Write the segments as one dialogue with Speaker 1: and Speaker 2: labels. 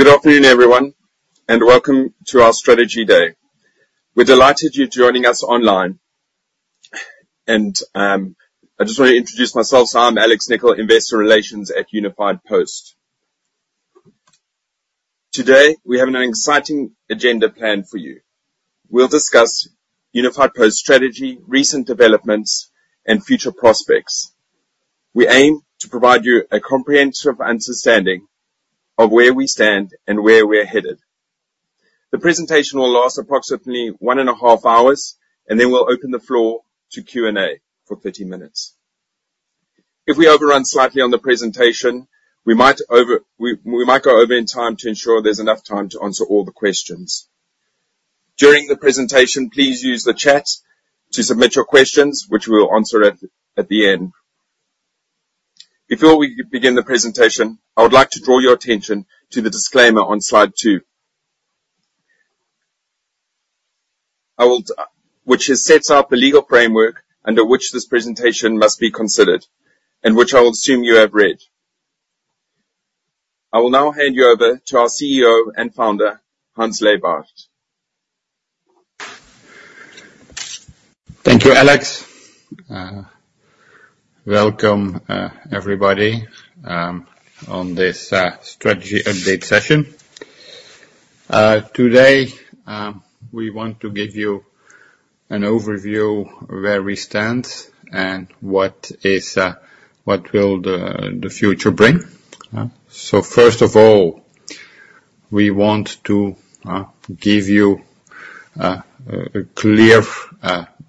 Speaker 1: Good afternoon, everyone, and welcome to our strategy day. We're delighted you're joining us online. I just want to introduce myself. I'm Alex Nicoll, Investor Relations at Unifiedpost. Today, we have an exciting agenda planned for you. We'll discuss Unifiedpost strategy, recent developments, and future prospects. We aim to provide you a comprehensive understanding of where we stand and where we're headed. The presentation will last approximately 1.5 hours, and then we'll open the floor to Q&A for 30 minutes. If we overrun slightly on the presentation, we might go over in time to ensure there's enough time to answer all the questions. During the presentation, please use the chat to submit your questions, which we will answer at the end. Before we begin the presentation, I would like to draw your attention to the disclaimer on slide 2. I will, which sets out the legal framework under which this presentation must be considered, and which I will assume you have read. I will now hand you over to our CEO and founder, Hans Leybaert.
Speaker 2: Thank you, Alex. Welcome everybody on this strategy update session. Today we want to give you an overview of where we stand and what will the future bring. So first of all, we want to give you a clear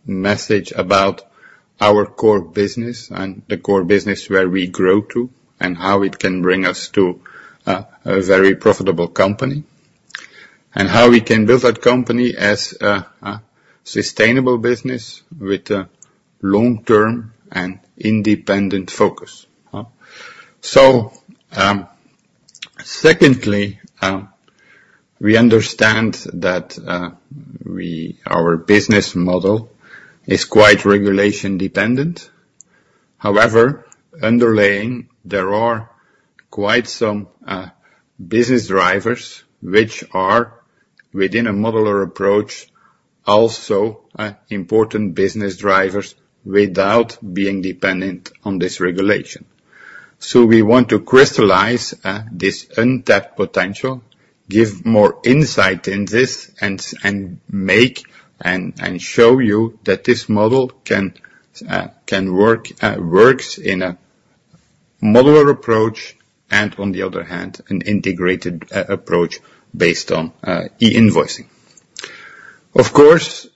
Speaker 2: message about our core business and the core business where we grow to, and how it can bring us to a very profitable company, and how we can build that company as a sustainable business with a long-term and independent focus. So secondly, we understand that our business model is quite regulation-dependent. However, underlying, there are quite some business drivers which are within a modular approach, also, important business drivers without being dependent on this regulation. So we want to crystallize this untapped potential, give more insight in this, and make and show you that this model can work in a modular approach, and on the other hand, an integrated approach based on e-invoicing. Of course,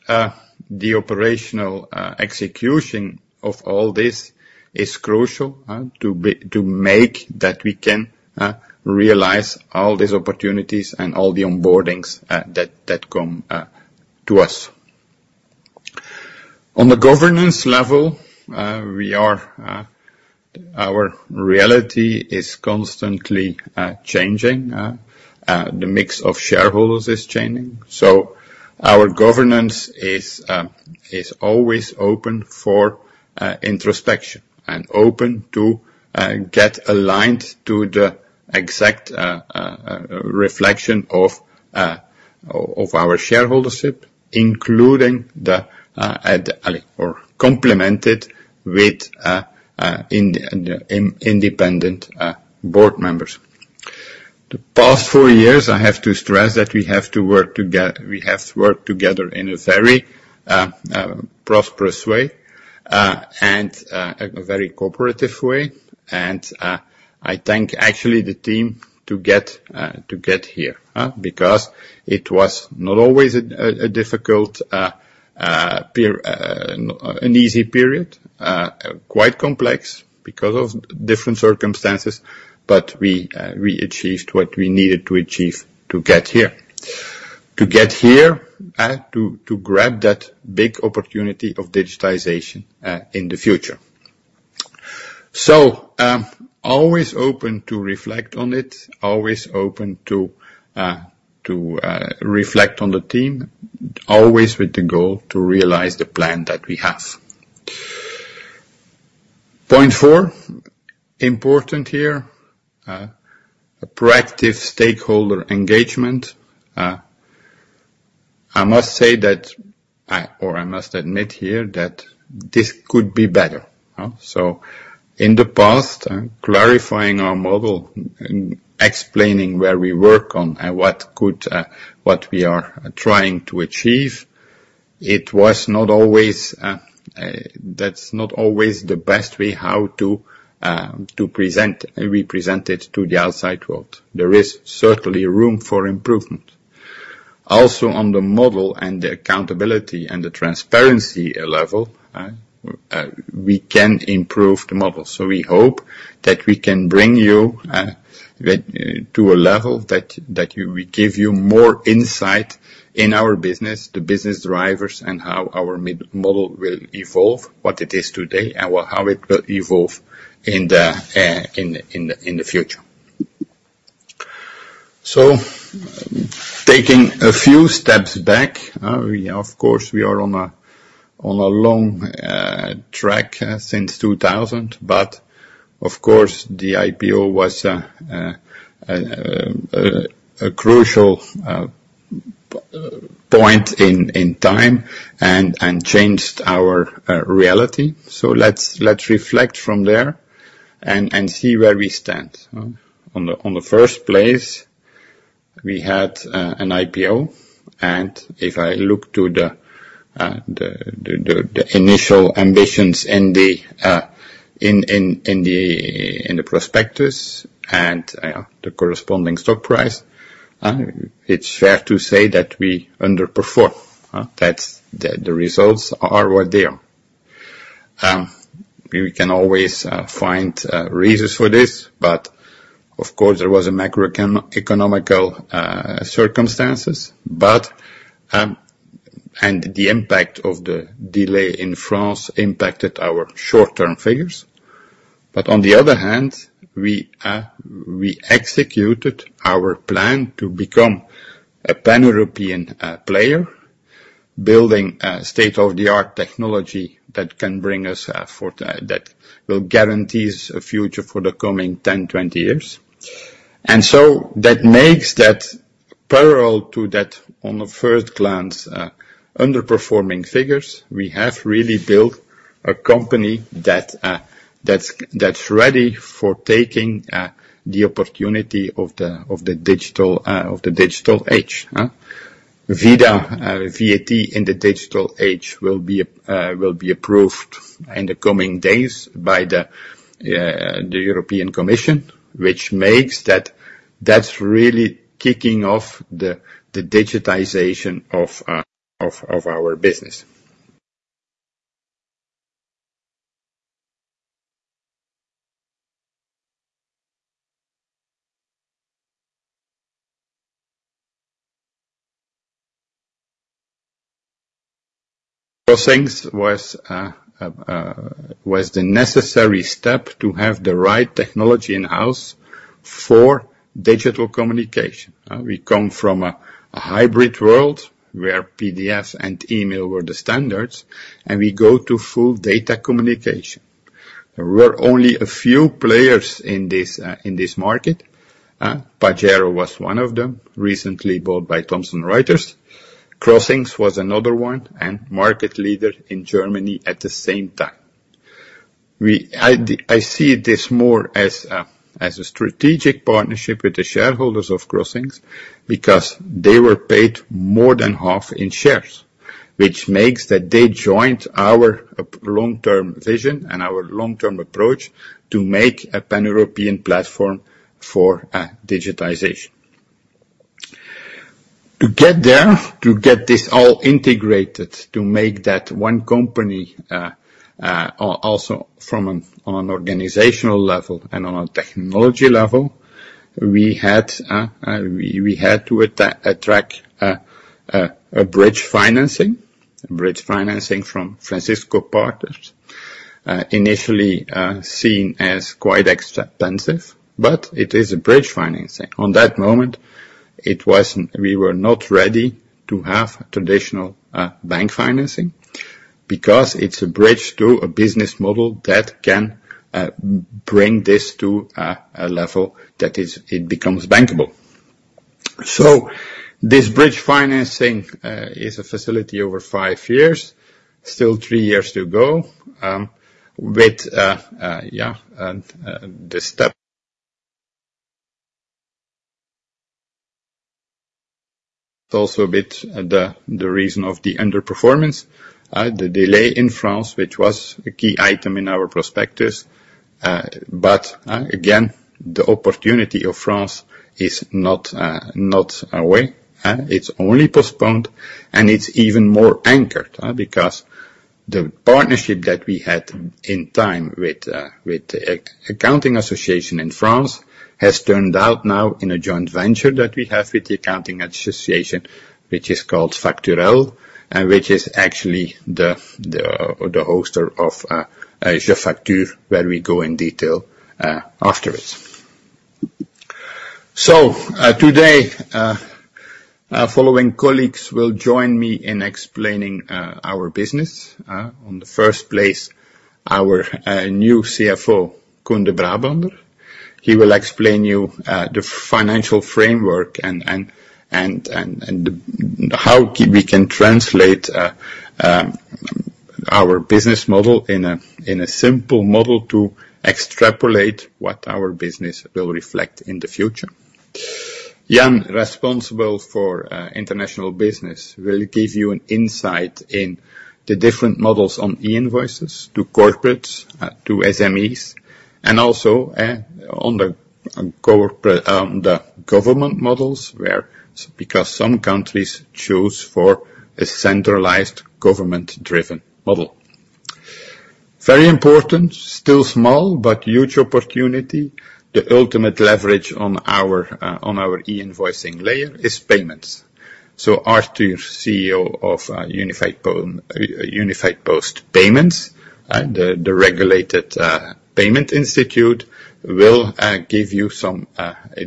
Speaker 2: the operational execution of all this is crucial to make that we can realize all these opportunities and all the onboardings that come to us. On the governance level, our reality is constantly changing. The mix of shareholders is changing, so our governance is always open for introspection and open to get aligned to the exact reflection of our shareholdership, including the, or complemented with independent board members. The past four years, I have to stress that we have worked together in a very prosperous way, and a very cooperative way, and I thank actually the team to get here, because it was not always an easy period, quite complex because of different circumstances, but we achieved what we needed to achieve to get here. To get here, to grab that big opportunity of digitization in the future. So, always open to reflect on it, always open to reflect on the team, always with the goal to realize the plan that we have. Point four, important here, a proactive stakeholder engagement. I must say that, or I must admit here that this could be better? So in the past, clarifying our model, explaining where we work on and what we are trying to achieve, it was not always, that's not always the best way how to present it to the outside world. There is certainly room for improvement. Also, on the model and the accountability and the transparency level, we can improve the model. So we hope that we can bring you that to a level that you... We give you more insight in our business, the business drivers, and how our mid-model will evolve, what it is today, and well, how it will evolve in the future. So, taking a few steps back, we of course are on a long track since 2000, but of course, the IPO was a crucial point in time and changed our reality. So let's reflect from there and see where we stand, huh? On the first place, we had an IPO, and if I look to the initial ambitions in the prospectus and the corresponding stock price, it's fair to say that we underperform, huh? That's. The results are what they are. We can always find reasons for this, but of course, there was a macroeconomic circumstances. But the impact of the delay in France impacted our short-term figures. But on the other hand, we executed our plan to become a Pan-European player, building a state-of-the-art technology that can bring us that will guarantees a future for the coming 10, 20 years. So that makes that parallel to that on first glance underperforming figures, we have really built a company that's ready for taking the opportunity of the digital age, huh? ViDA, VAT in the digital age will be approved in the coming days by the European Commission, which makes that's really kicking off the digitization of our business. crossinx was the necessary step to have the right technology in-house for digital communication. We come from a hybrid world where PDFs and email were the standards, and we go to full data communication. There were only a few players in this market. Pagero was one of them, recently bought by Thomson Reuters. crossinx was another one, and market leader in Germany at the same time. I see this more as a strategic partnership with the shareholders of crossinx, because they were paid more than half in shares. Which makes that they joined our long-term vision and our long-term approach to make a Pan-European platform for digitization. To get there, to get this all integrated, to make that one company, also from an organizational level and on a technology level, we had to attract a bridge financing. A bridge financing from Francisco Partners, initially seen as quite expensive, but it is a bridge financing. On that moment, it wasn't. We were not ready to have traditional bank financing, because it's a bridge to a business model that can bring this to a level that is, it becomes bankable. So this bridge financing is a facility over 5 years, still 3 years to go, with yeah and the step. Also a bit the reason of the underperformance, the delay in France, which was a key item in our prospectus. But again, the opportunity of France is not away; it's only postponed, and it's even more anchored because the partnership that we had in time with the Accounting Association in France has turned out now in a joint venture that we have with the Accounting Association, which is called Facturel, and which is actually the hoster of JeFacture, where we go in detail afterwards. So today our following colleagues will join me in explaining our business. On the first place, our new CFO, Koen De Brabander. He will explain you the financial framework and how we can translate our business model in a simple model to extrapolate what our business will reflect in the future. Jan, responsible for international business, will give you an insight in the different models on e-invoices to corporates, to SMEs, and also on the corporate, the government models, where because some countries choose for a centralized government-driven model. Very important, still small, but huge opportunity, the ultimate leverage on our on our e-invoicing layer is payments. So Arthur, CEO of Unifiedpost, Unifiedpost Payments, the regulated payment institution, will give you some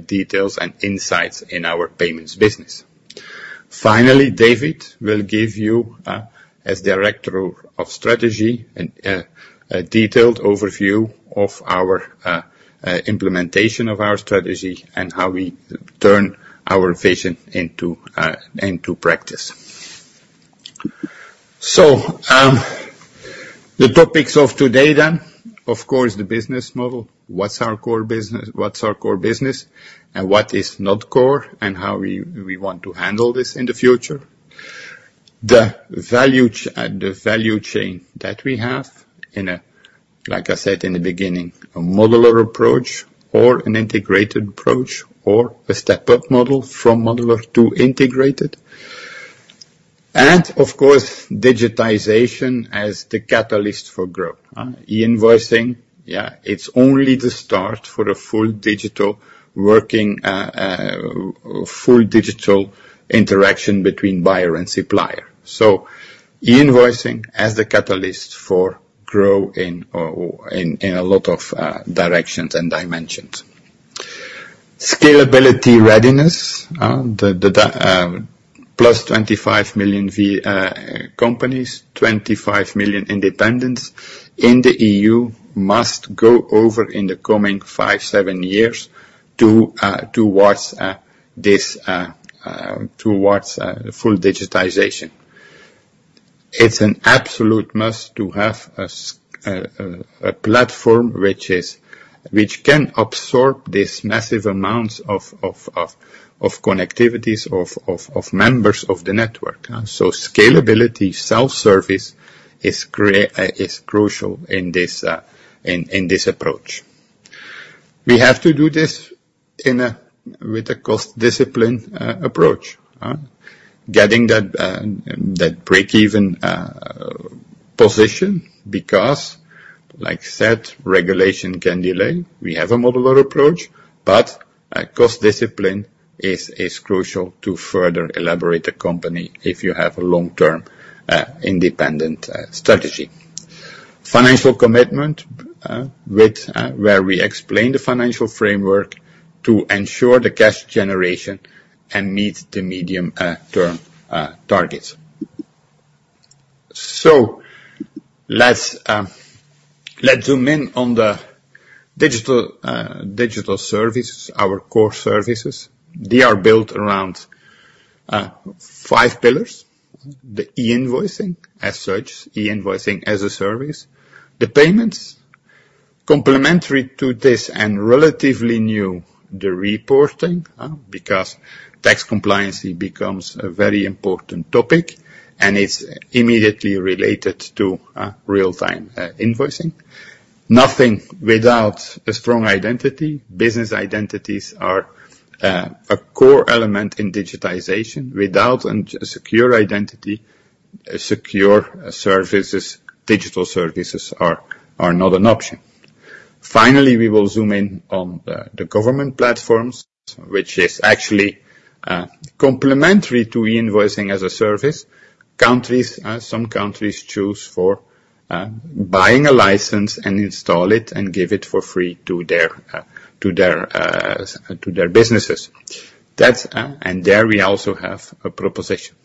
Speaker 2: details and insights in our payments business. Finally, David will give you, as Director of Strategy, a detailed overview of our implementation of our strategy and how we turn our vision into into practice. So, the topics of today then, of course, the business model. What's our core business? What's our core business, and what is not core, and how we want to handle this in the future? The value chain that we have in a, like I said, in the beginning, a modular approach or an integrated approach, or a step-up model from modular to integrated. And of course, digitization as the catalyst for growth, e-invoicing, yeah, it's only the start for a full digital working, full digital interaction between buyer and supplier. So e-invoicing as the catalyst for growth in a lot of directions and dimensions. Scalability, readiness, the +25 million companies, 25 million independents in the EU, must go over in the coming 5-7 years to towards full digitization. It's an absolute must to have a platform which can absorb these massive amounts of connectivities, members of the network, so scalability, self-service is crucial in this approach. We have to do this with a cost discipline approach, getting that breakeven position, because like I said, regulation can delay. We have a modular approach, but cost discipline is crucial to further elaborate the company if you have a long-term independent strategy. Financial commitment with where we explain the financial framework to ensure the cash generation and meet the medium term targets. So let's zoom in on the digital service, our core services. They are built around five pillars: the e-invoicing as such, e-invoicing as a service. The payments, complementary to this and relatively new, the reporting, because tax compliance becomes a very important topic, and it's immediately related to real-time invoicing. Nothing without a strong identity. Business identities are a core element in digitization. Without a secure identity, secure services, digital services are not an option. Finally, we will zoom in on the government platforms, which is actually complementary to e-invoicing as a service. Countries, some countries choose for buying a license and install it, and give it for free to their businesses. That's, and there we also have a proposition.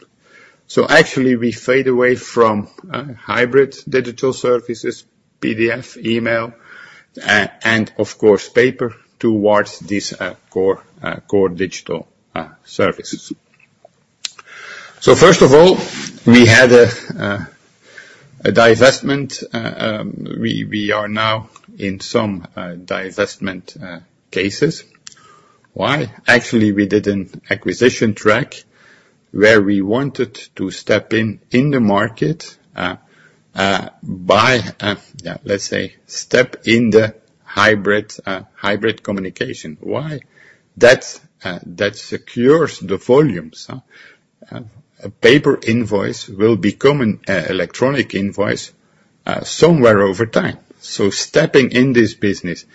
Speaker 2: So actually, we fade away from hybrid digital services, PDF, email, and of course, paper, towards these core digital services. So first of all, we had a divestment. We are now in some divestment cases. Why? Actually, we did an acquisition track where we wanted to step in the market by, let's say, step in the hybrid hybrid communication. Why? That secures the volumes. A paper invoice will become an electronic invoice somewhere over time. So stepping in this business,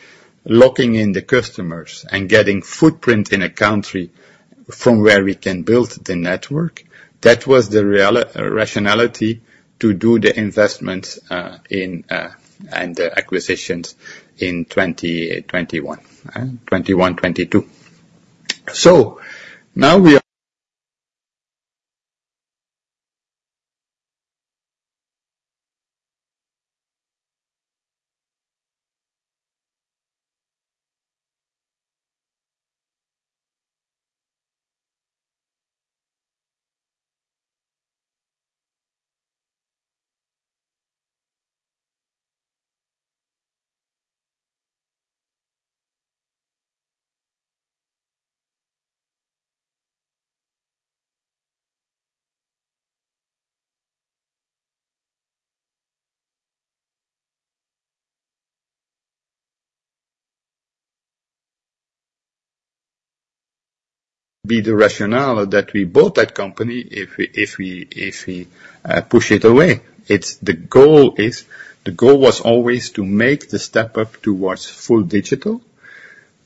Speaker 2: locking in the customers, and getting footprint in a country from where we can build the network, that was the rationality to do the investments in and the acquisitions in 2021, 2021, 2022. So now we are... But the rationale that we bought that company if we push it away. The goal was always to make the step up towards full digital.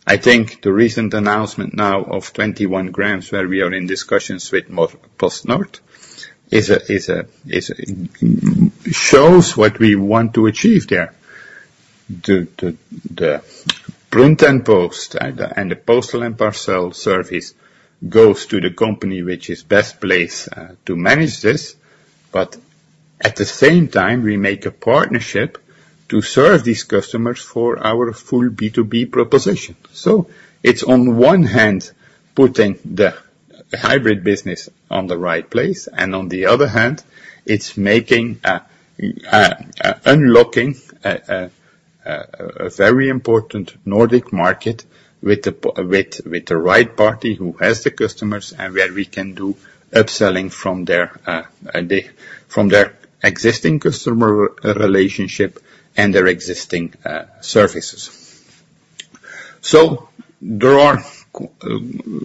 Speaker 2: I think the recent announcement now of 21grams, where we are in discussions with PostNord, shows what we want to achieve there. The print and post and the postal and parcel service goes to the company, which is best placed to manage this. But at the same time, we make a partnership to serve these customers for our full B2B proposition. So it's on one hand, putting the hybrid business on the right place, and on the other hand, it's making a unlocking, a very important Nordic market with the with the right party who has the customers, and where we can do upselling from their the from their existing customer relationship and their existing services. So there are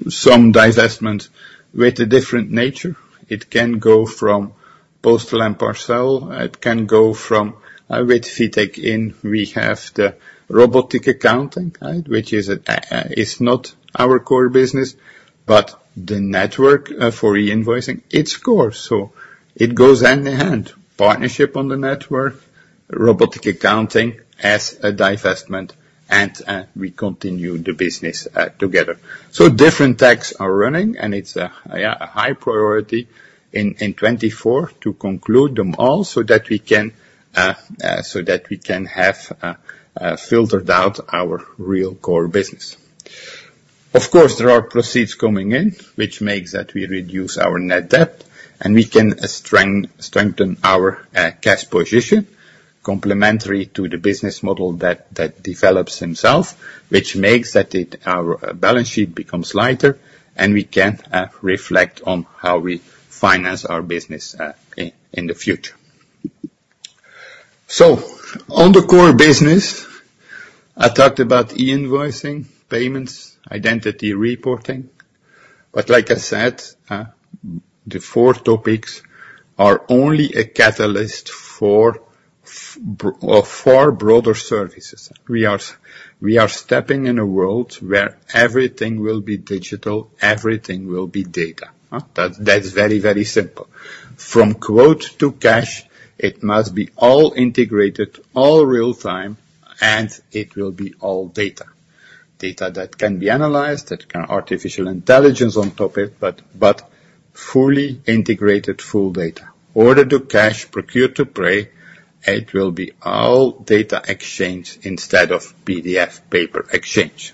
Speaker 2: some divestments with a different nature. It can go from postal and parcel, it can go from with Fitek in, we have the robotic accounting, right? Which is is not our core business, but the network for e-invoicing, it's core. So it goes hand in hand, partnership on the network, robotic accounting as a divestment, and we continue the business together. So different techs are running, and it's a, yeah, a high priority in 2024 to conclude them all, so that we can have filtered out our real core business. Of course, there are proceeds coming in, which makes that we reduce our net debt, and we can strengthen our cash position, complementary to the business model that develops himself, which makes that it our balance sheet becomes lighter, and we can reflect on how we finance our business in the future. So on the core business, I talked about e-invoicing, payments, identity reporting, but like I said, the four topics are only a catalyst for four broader services. We are stepping in a world where everything will be digital, everything will be data, huh? That is very, very simple. From quote to cash, it must be all integrated, all real time, and it will be all data. Data that can be analyzed, that can have artificial intelligence on top of it, but fully integrated full data. Order to cash, procure to pay, it will be all data exchange instead of PDF paper exchange.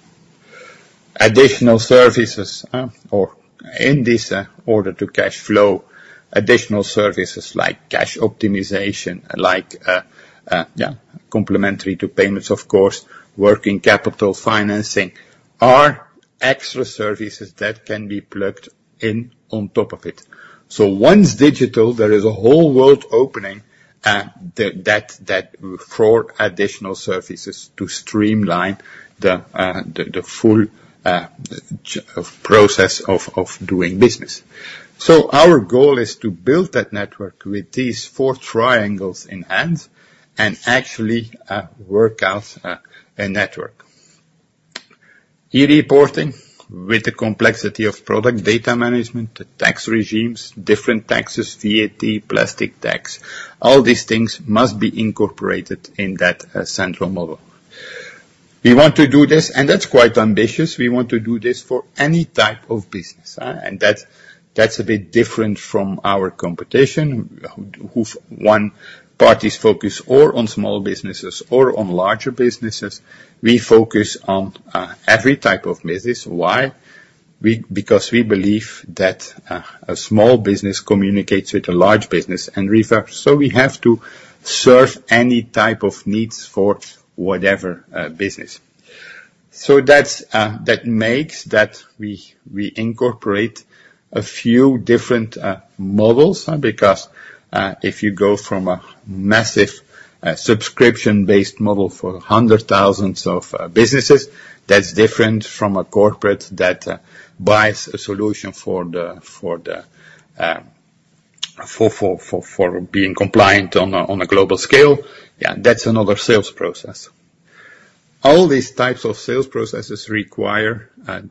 Speaker 2: Additional services, or in this order to cash flow, additional services like cash optimization, like, yeah, complementary to payments, of course, working capital financing, are extra services that can be plugged in on top of it. So once digital, there is a whole world opening, that for additional services to streamline the full chain of process of doing business. So our goal is to build that network with these four triangles in hand, and actually, work out a network. E-reporting with the complexity of product data management, the tax regimes, different taxes, VAT, plastic tax, all these things must be incorporated in that central model. We want to do this, and that's quite ambitious. We want to do this for any type of business, and that, that's a bit different from our competition, who only focus on small businesses or on larger businesses. We focus on every type of business. Why? Because we believe that a small business communicates with a large business and reverse. So we have to serve any type of needs for whatever business. So that's that makes that we incorporate a few different models because if you go from a massive subscription-based model for hundreds of thousands of businesses, that's different from a corporate that buys a solution for being compliant on a global scale. Yeah, that's another sales process. All these types of sales processes require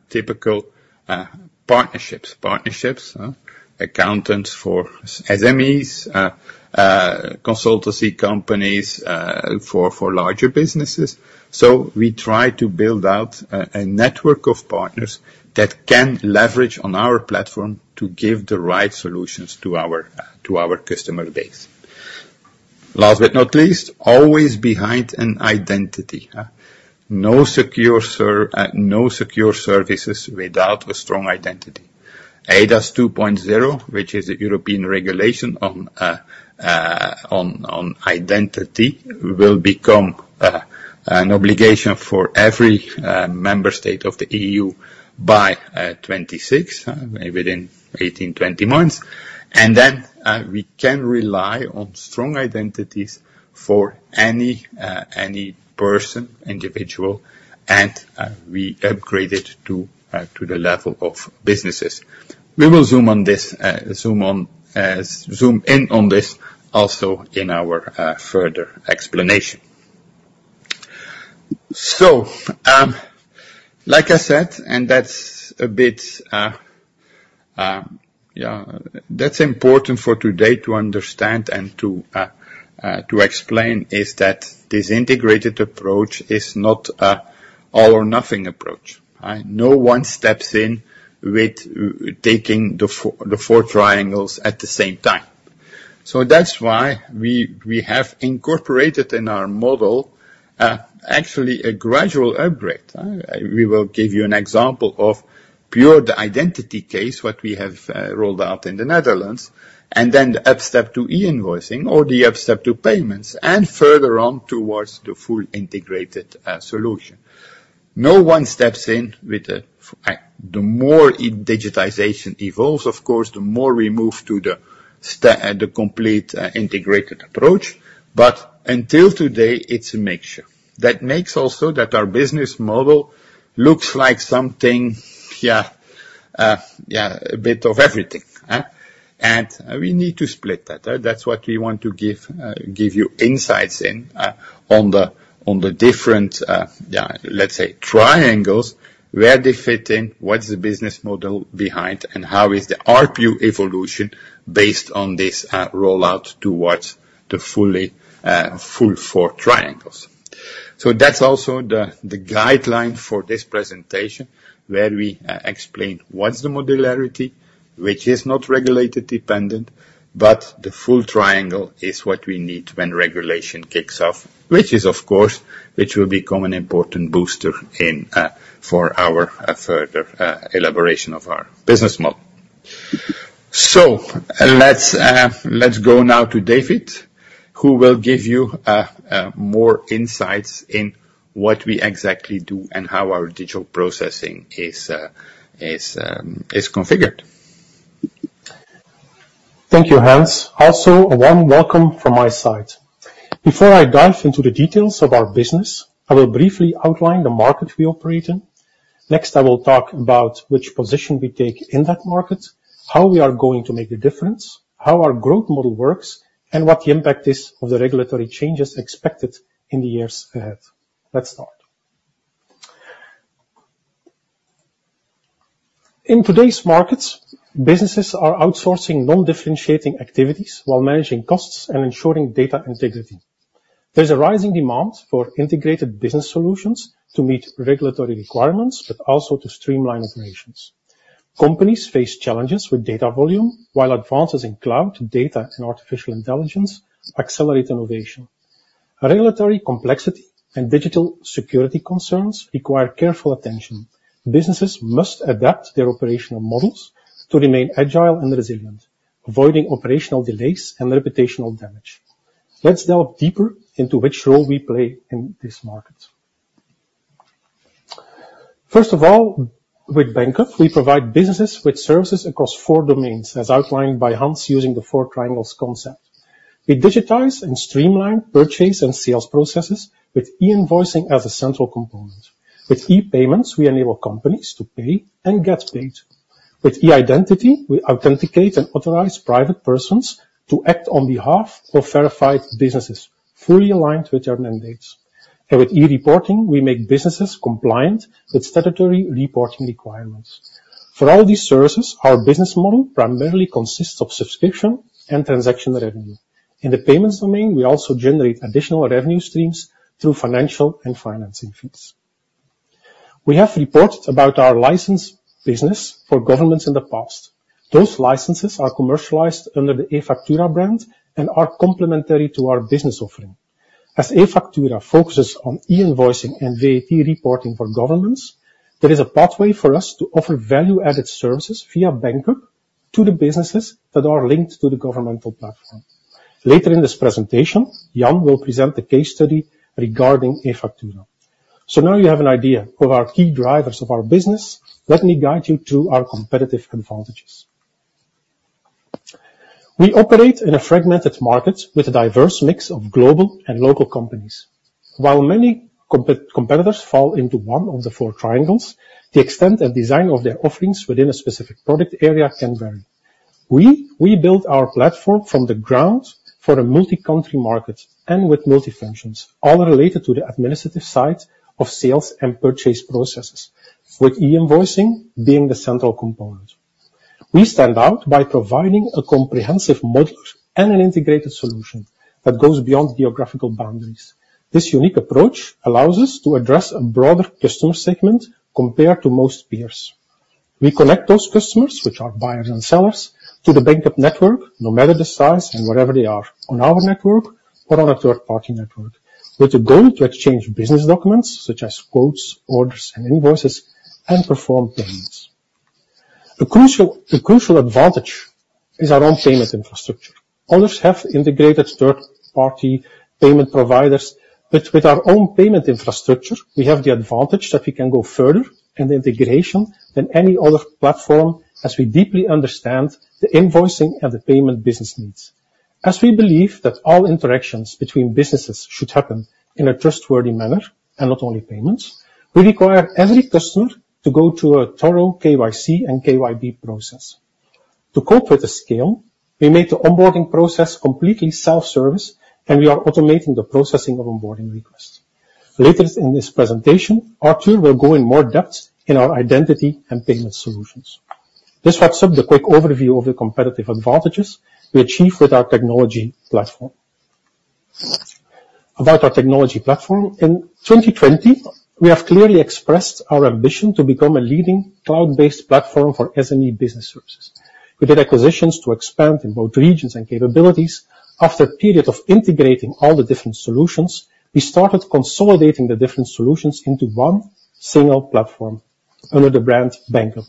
Speaker 2: typical partnerships. Partnerships, accountants for SMEs, consultancy companies for larger businesses. So we try to build out a network of partners that can leverage on our platform to give the right solutions to our customer base. Last but not least, always behind an identity, no secure services without a strong identity. eIDAS 2.0, which is a European regulation on identity, will become an obligation for every member state of the EU by 2026, maybe within 18-20 months. And then, we can rely on strong identities for any person, individual, and we upgrade it to the level of businesses. We will zoom in on this also in our further explanation. So, like I said, and that's a bit, yeah, that's important for today to understand and to explain, is that this integrated approach is not an all or nothing approach. No one steps in with taking the 4, the 4 triangles at the same time. So that's why we, we have incorporated in our model, actually a gradual upgrade. We will give you an example of pure the identity case, what we have rolled out in the Netherlands, and then the upstep to e-invoicing, or the upstep to payments, and further on towards the full integrated solution. No one steps in with the more e-digitization evolves, of course, the more we move to the complete integrated approach. But until today, it's a mixture. That makes also that our business model looks like something, yeah, yeah, a bit of everything? And we need to split that, that's what we want to give, give you insights in, on the, on the different, yeah, let's say, triangles. Where they fit in, what's the business model behind, and how is the RPU evolution based on this rollout towards the fully full four triangles. So that's also the guideline for this presentation, where we explain what's the modularity, which is not regulation dependent, but the full triangle is what we need when regulation kicks off, which is, of course, which will become an important booster in for our further elaboration of our business model. So let's go now to David, who will give you more insights in what we exactly do and how our digital processing is configured. Thank you, Hans. Also, a warm welcome from my side. Before I dive into the details of our business, I will briefly outline the market we operate in. Next, I will talk about which position we take in that market, how we are going to make a difference, how our growth model works, and what the impact is of the regulatory changes expected in the years ahead. Let's start. In today's markets, businesses are outsourcing non-differentiating activities while managing costs and ensuring data integrity. There's a rising demand for integrated business solutions to meet regulatory requirements, but also to streamline operations. Companies face challenges with data volume, while advances in cloud, data, and artificial intelligence accelerate innovation. Regulatory complexity and digital security concerns require careful attention. Businesses must adapt their operational models to remain agile and resilient, avoiding operational delays and reputational damage. Let's delve deeper into which role we play in this market. First of all, with Banqup, we provide businesses with services across four domains, as outlined by Hans using the four triangles concept. We digitize and streamline purchase and sales processes with e-invoicing as a central component. With e-payments, we enable companies to pay and get paid. With e-identity, we authenticate and authorize private persons to act on behalf of verified businesses, fully aligned with their mandates. And with e-reporting, we make businesses compliant with statutory reporting requirements. For all these services, our business model primarily consists of subscription and transaction revenue. In the payments domain, we also generate additional revenue streams through financial and financing fees. We have reported about our license business for governments in the past. Those licenses are commercialized under the eFaktura brand and are complementary to our business offering. As eFaktura focuses on e-invoicing and VAT reporting for governments, there is a pathway for us to offer value-added services via Banqup to the businesses that are linked to the governmental platform. Later in this presentation, Jan will present the case study regarding eFaktura. So now you have an idea of our key drivers of our business, let me guide you through our competitive advantages. We operate in a fragmented market with a diverse mix of global and local companies. While many competitors fall into one of the four triangles, the extent and design of their offerings within a specific product area can vary. We build our platform from the ground for a multi-country market and with multi-functions, all related to the administrative side of sales and purchase processes, with e-invoicing being the central component. We stand out by providing a comprehensive model and an integrated solution that goes beyond geographical boundaries. This unique approach allows us to address a broader customer segment compared to most peers. We connect those customers, which are buyers and sellers, to the Banqup network, no matter the size and wherever they are, on our network or on a third-party network, with the goal to exchange business documents such as quotes, orders, and invoices, and perform payments. A crucial advantage is our own payment infrastructure. Others have integrated third-party payment providers, but with our own payment infrastructure, we have the advantage that we can go further in the integration than any other platform, as we deeply understand the invoicing and the payment business needs. As we believe that all interactions between businesses should happen in a trustworthy manner, and not only payments, we require every customer to go through a thorough KYC and KYB process. To cope with the scale, we made the onboarding process completely self-service, and we are automating the processing of onboarding requests. Later in this presentation, Arthur will go in more depth in our identity and payment solutions. This wraps up the quick overview of the competitive advantages we achieve with our technology platform. About our technology platform, in 2020, we have clearly expressed our ambition to become a leading cloud-based platform for SME business services. We did acquisitions to expand in both regions and capabilities. After a period of integrating all the different solutions, we started consolidating the different solutions into one single platform under the brand Banqup.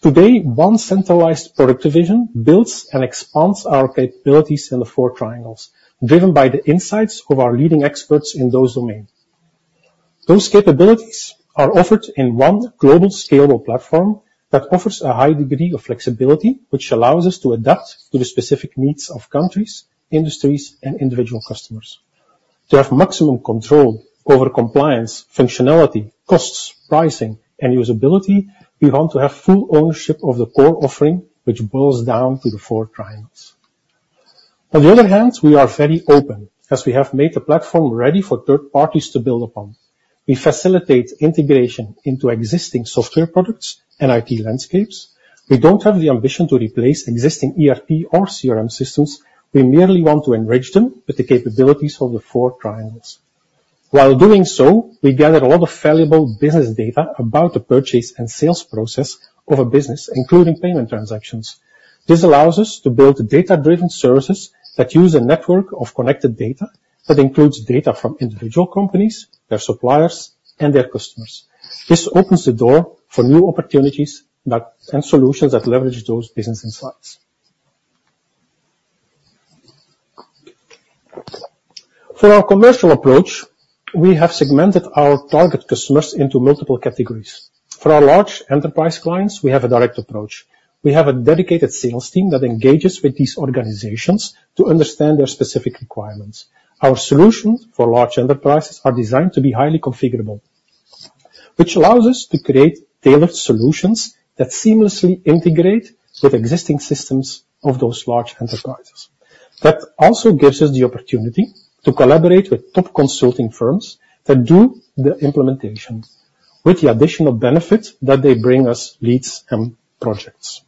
Speaker 2: Today, one centralized product division builds and expands our capabilities in the four triangles, driven by the insights of our leading experts in those domains. Those capabilities are offered in one global, scalable platform that offers a high degree of flexibility, which allows us to adapt to the specific needs of countries, industries, and individual customers. To have maximum control over compliance, functionality, costs, pricing, and usability, we want to have full ownership of the core offering, which boils down to the four triangles. On the other hand, we are very open, as we have made the platform ready for third parties to build upon. We facilitate integration into existing software products and IT landscapes. We don't have the ambition to replace existing ERP or CRM systems. We merely want to enrich them with the capabilities of the four triangles. While doing so, we gather a lot of valuable business data about the purchase and sales process of a business, including payment transactions. This allows us to build data-driven services that use a network of connected data, that includes data from individual companies, their suppliers, and their customers. This opens the door for new opportunities and solutions that leverage those business insights. For our commercial approach, we have segmented our target customers into multiple categories. For our large enterprise clients, we have a direct approach. We have a dedicated sales team that engages with these organizations to understand their specific requirements. Our solutions for large enterprises are designed to be highly configurable, which allows us to create tailored solutions that seamlessly integrate with existing systems of those large enterprises. That also gives us the opportunity to collaborate with top consulting firms that do the implementation, with the additional benefit that they bring us leads and projects.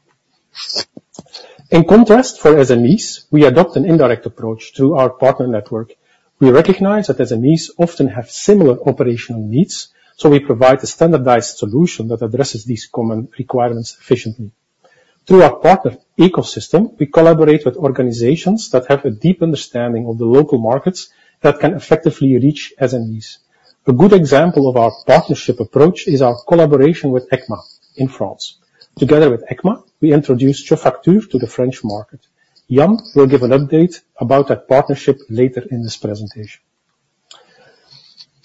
Speaker 2: In contrast, for SMEs, we adopt an indirect approach to our partner network. We recognize that SMEs often have similar operational needs, so we provide a standardized solution that addresses these common requirements efficiently. Through our partner ecosystem, we collaborate with organizations that have a deep understanding of the local markets that can effectively reach SMEs. A good example of our partnership approach is our collaboration with ECMA in France. Together with ECMA, we introduced JeFacture to the French market. Jan will give an update about that partnership later in this presentation.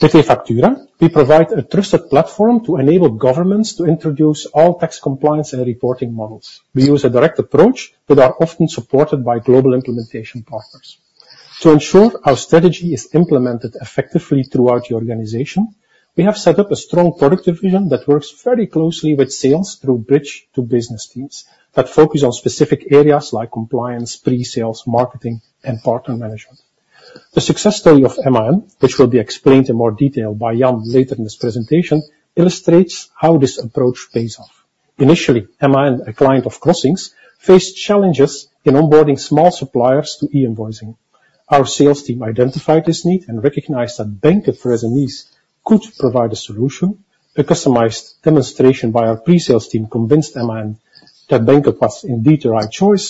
Speaker 2: With eFaktura, we provide a trusted platform to enable governments to introduce all tax compliance and reporting models. We use a direct approach, but are often supported by global implementation partners. To ensure our strategy is implemented effectively throughout the organization, we have set up a strong product division that works very closely with sales through bridge to business teams, that focus on specific areas like compliance, pre-sales, marketing, and partner management. The success story of MAN, which will be explained in more detail by Jan later in this presentation, illustrates how this approach pays off. Initially, MAN, a client of crossinx, faced challenges in onboarding small suppliers to e-invoicing. Our sales team identified this need and recognized that Banqup for SMEs could provide a solution. A customized demonstration by our pre-sales team convinced MAN that Banqup was indeed the right choice.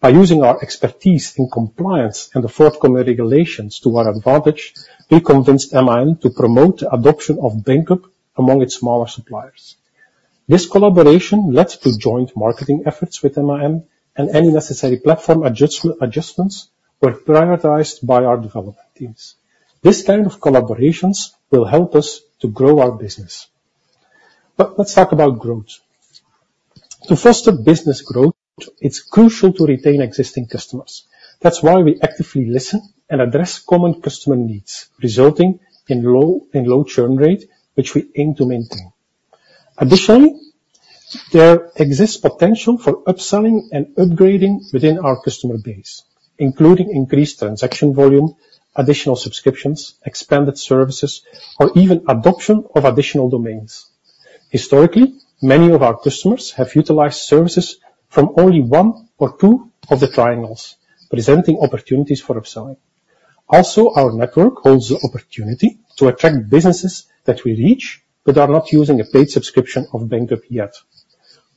Speaker 2: By using our expertise in compliance and the forthcoming regulations to our advantage, we convinced MAN to promote the adoption of Banqup among its smaller suppliers. This collaboration led to joint marketing efforts with MAN, and any necessary platform adjustments were prioritized by our development teams. This kind of collaborations will help us to grow our business. But let's talk about growth. To foster business growth, it's crucial to retain existing customers. That's why we actively listen and address common customer needs, resulting in low churn rate, which we aim to maintain. Additionally, there exists potential for upselling and upgrading within our customer base, including increased transaction volume, additional subscriptions, expanded services, or even adoption of additional domains. Historically, many of our customers have utilized services from only one or two of the triangles, presenting opportunities for upselling. Also, our network holds the opportunity to attract businesses that we reach, but are not using a paid subscription of Banqup yet.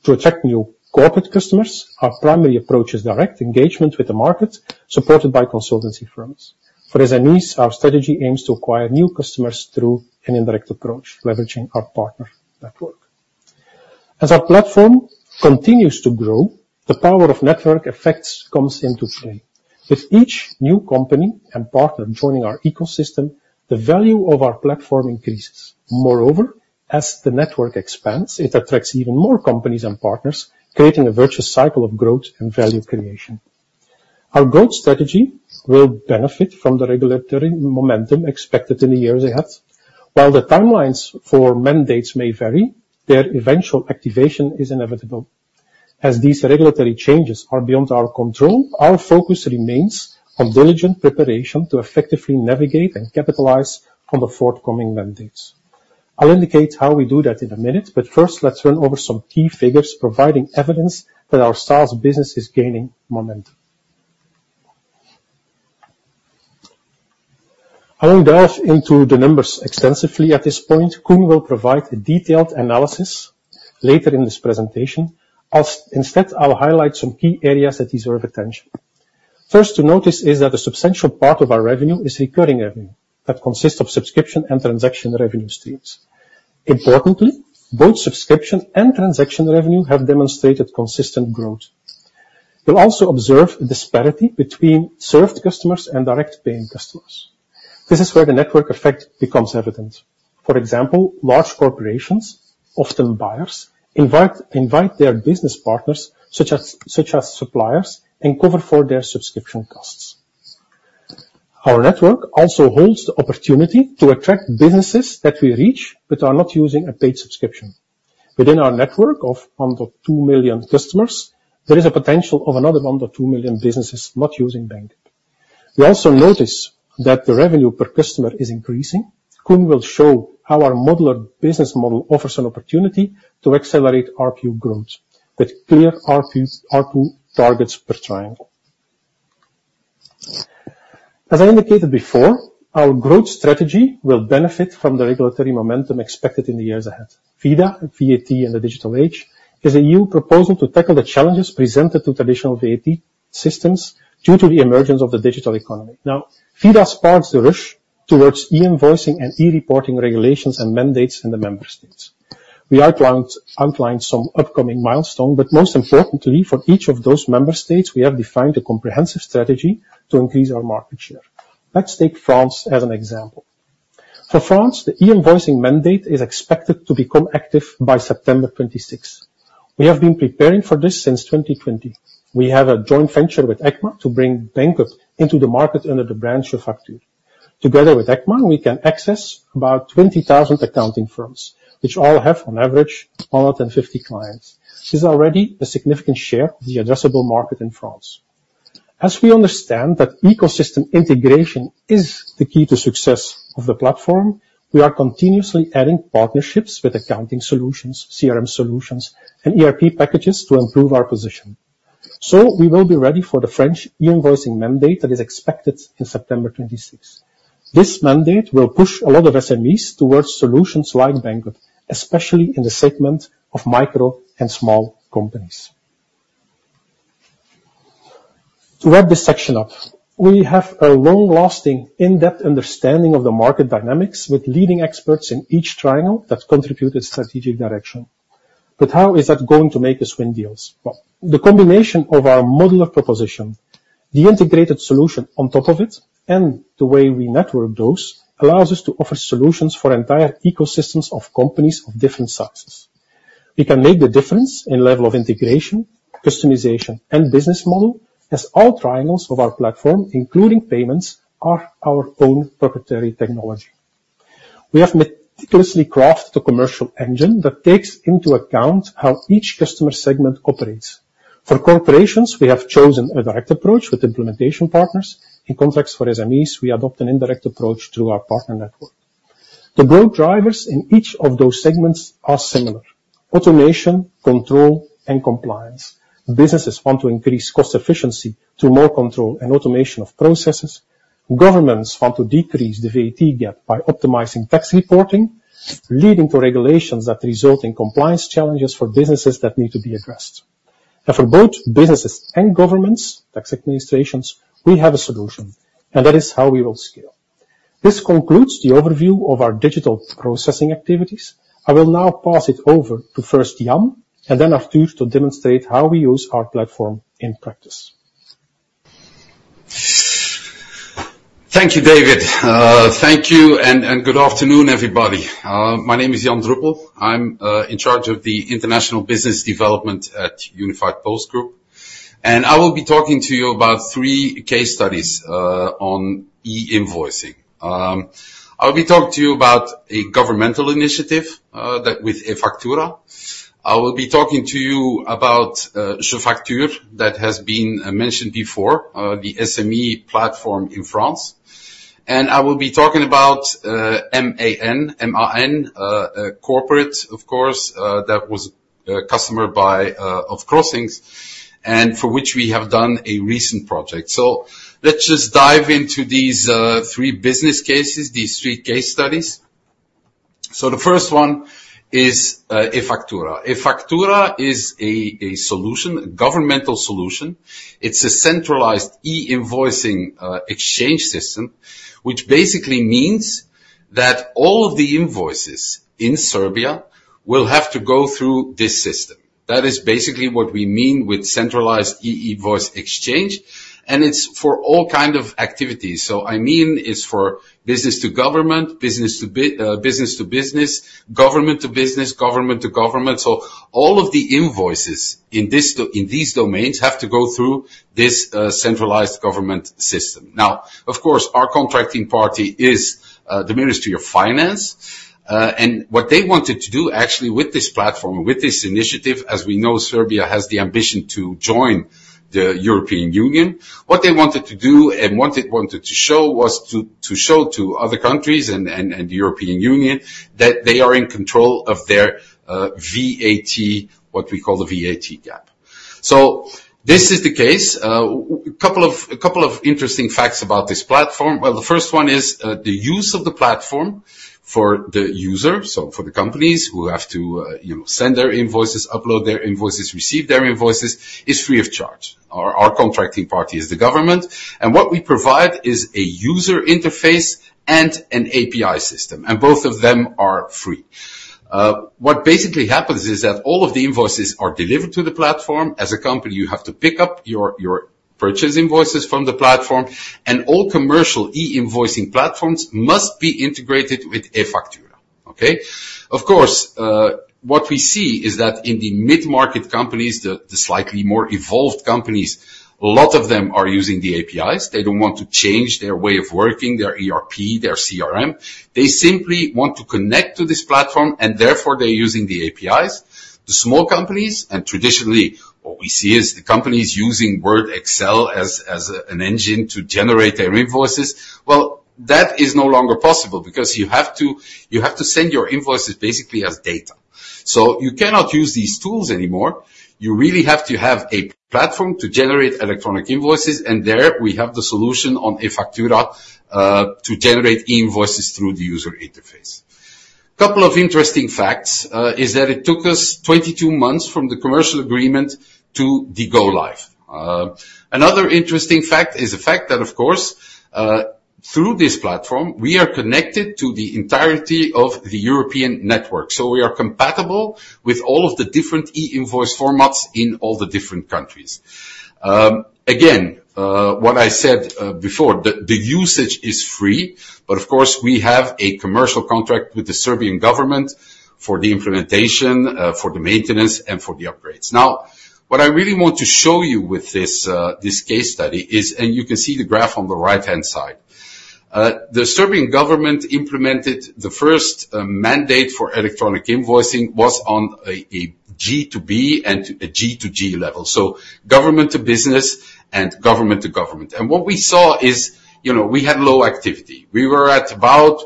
Speaker 2: To attract new corporate customers, our primary approach is direct engagement with the market, supported by consultancy firms. For SMEs, our strategy aims to acquire new customers through an indirect approach, leveraging our partner network. As our platform continues to grow, the power of network effects comes into play. With each new company and partner joining our ecosystem, the value of our platform increases. Moreover, as the network expands, it attracts even more companies and partners, creating a virtuous cycle of growth and value creation. Our growth strategy will benefit from the regulatory momentum expected in the years ahead. While the timelines for mandates may vary, their eventual activation is inevitable. As these regulatory changes are beyond our control, our focus remains on diligent preparation to effectively navigate and capitalize on the forthcoming mandates. I'll indicate how we do that in a minute, but first, let's run over some key figures providing evidence that our SaaS business is gaining momentum. I won't delve into the numbers extensively at this point. Koen will provide a detailed analysis later in this presentation. Instead, I'll highlight some key areas that deserve attention. First to notice is that a substantial part of our revenue is recurring revenue that consists of subscription and transaction revenue streams. Importantly, both subscription and transaction revenue have demonstrated consistent growth. You'll also observe a disparity between served customers and direct paying customers. This is where the network effect becomes evident. For example, large corporations, often buyers, invite their business partners, such as suppliers, and cover for their subscription costs. Our network also holds the opportunity to attract businesses that we reach, but are not using a paid subscription. Within our network of under 2 million customers, there is a potential of another under 2 million businesses not using Banqup. We also notice that the revenue per customer is increasing. Koen will show how our modular business model offers an opportunity to accelerate ARPU growth with clear ARPU targets per triangle. As I indicated before, our growth strategy will benefit from the regulatory momentum expected in the years ahead. ViDA, VAT in the digital age, is a new proposal to tackle the challenges presented to traditional VAT systems due to the emergence of the digital economy. Now, ViDA sparks the rush towards e-invoicing and e-reporting regulations and mandates in the member states. We outlined some upcoming milestone, but most importantly, for each of those member states, we have defined a comprehensive strategy to increase our market share. Let's take France as an example. For France, the e-invoicing mandate is expected to become active by September 2026. We have been preparing for this since 2020. We have a joint venture with ECMA to bring Banqup into the market under the branch of Facturel. Together with ECMA, we can access about 20,000 accounting firms, which all have, on average, more than 50 clients. This is already a significant share of the addressable market in France. As we understand that ecosystem integration is the key to success of the platform, we are continuously adding partnerships with accounting solutions, CRM solutions, and ERP packages to improve our position. So we will be ready for the French e-invoicing mandate that is expected in September 2026. This mandate will push a lot of SMEs towards solutions like Banqup, especially in the segment of micro and small companies. To wrap this section up, we have a long-lasting, in-depth understanding of the market dynamics with leading experts in each triangle that contribute its strategic direction. But how is that going to make us win deals? Well, the combination of our modular proposition, the integrated solution on top of it, and the way we network those, allows us to offer solutions for entire ecosystems of companies of different sizes. We can make the difference in level of integration, customization, and business model, as all triangles of our platform, including payments, are our own proprietary technology. We have meticulously crafted a commercial engine that takes into account how each customer segment operates. For corporations, we have chosen a direct approach with implementation partners. In context for SMEs, we adopt an indirect approach through our partner network. The growth drivers in each of those segments are similar: automation, control, and compliance. Businesses want to increase cost efficiency to more control and automation of processes. Governments want to decrease the VAT gap by optimizing tax reporting, leading to regulations that result in compliance challenges for businesses that need to be addressed. For both businesses and governments, tax administrations, we have a solution, and that is how we will scale. This concludes the overview of our digital processing activities. I will now pass it over to first Jan, and then Arthur, to demonstrate how we use our platform in practice.
Speaker 3: Thank you, David. Thank you and good afternoon, everybody. My name is Jan Druppel. I'm in charge of the international business development at Unifiedpost Group, and I will be talking to you about three case studies on e-invoicing. I'll be talking to you about a governmental initiative that with eFaktura. I will be talking to you about JeFacture, that has been mentioned before, the SME platform in France. I will be talking about MAN, MAN, a corporate, of course, that was a customer by of crossinx, and for which we have done a recent project. Let's just dive into these three business cases, these three case studies. The first one is eFaktura. eFaktura is a solution, a governmental solution. It's a centralized e-invoicing exchange system, which basically means that all of the invoices in Serbia will have to go through this system. That is basically what we mean with centralized e-invoice exchange, and it's for all kind of activities. So I mean, it's for business to government, business to business, government to business, government to government. So all of the invoices in these domains have to go through this centralized government system. Now, of course, our contracting party is the Ministry of Finance. And what they wanted to do actually, with this platform, with this initiative, as we know, Serbia has the ambition to join the European Union. What they wanted to do and what it wanted to show was to show to other countries and the European Union, that they are in control of their VAT Gap. So this is the case. A couple of interesting facts about this platform. Well, the first one is, the use of the platform for the user, so for the companies who have to, you know, send their invoices, upload their invoices, receive their invoices, is free of charge. Our contracting party is the government, and what we provide is a user interface and an API system, and both of them are free. What basically happens is that all of the invoices are delivered to the platform. As a company, you have to pick up your purchase invoices from the platform, and all commercial e-invoicing platforms must be integrated with eFaktura. Okay? Of course, what we see is that in the mid-market companies, the slightly more evolved companies, a lot of them are using the APIs. They don't want to change their way of working, their ERP, their CRM. They simply want to connect to this platform, and therefore they're using the APIs. The small companies, and traditionally, what we see is the companies using Word, Excel as an engine to generate their invoices. Well, that is no longer possible because you have to send your invoices basically as data. So you cannot use these tools anymore. You really have to have a platform to generate electronic invoices, and there we have the solution on eFaktura to generate e-invoices through the user interface. Couple of interesting facts is that it took us 22 months from the commercial agreement to the go live. Another interesting fact is the fact that, of course, through this platform, we are connected to the entirety of the European network, so we are compatible with all of the different e-invoice formats in all the different countries. Again, what I said before, the usage is free, but of course, we have a commercial contract with the Serbian government for the implementation, for the maintenance, and for the upgrades. Now, what I really want to show you with this case study is... and you can see the graph on the right-hand side. The Serbian government implemented the first mandate for electronic invoicing on a G2B and a G2G level, so government to business and government to government. What we saw is, you know, we had low activity. We were at about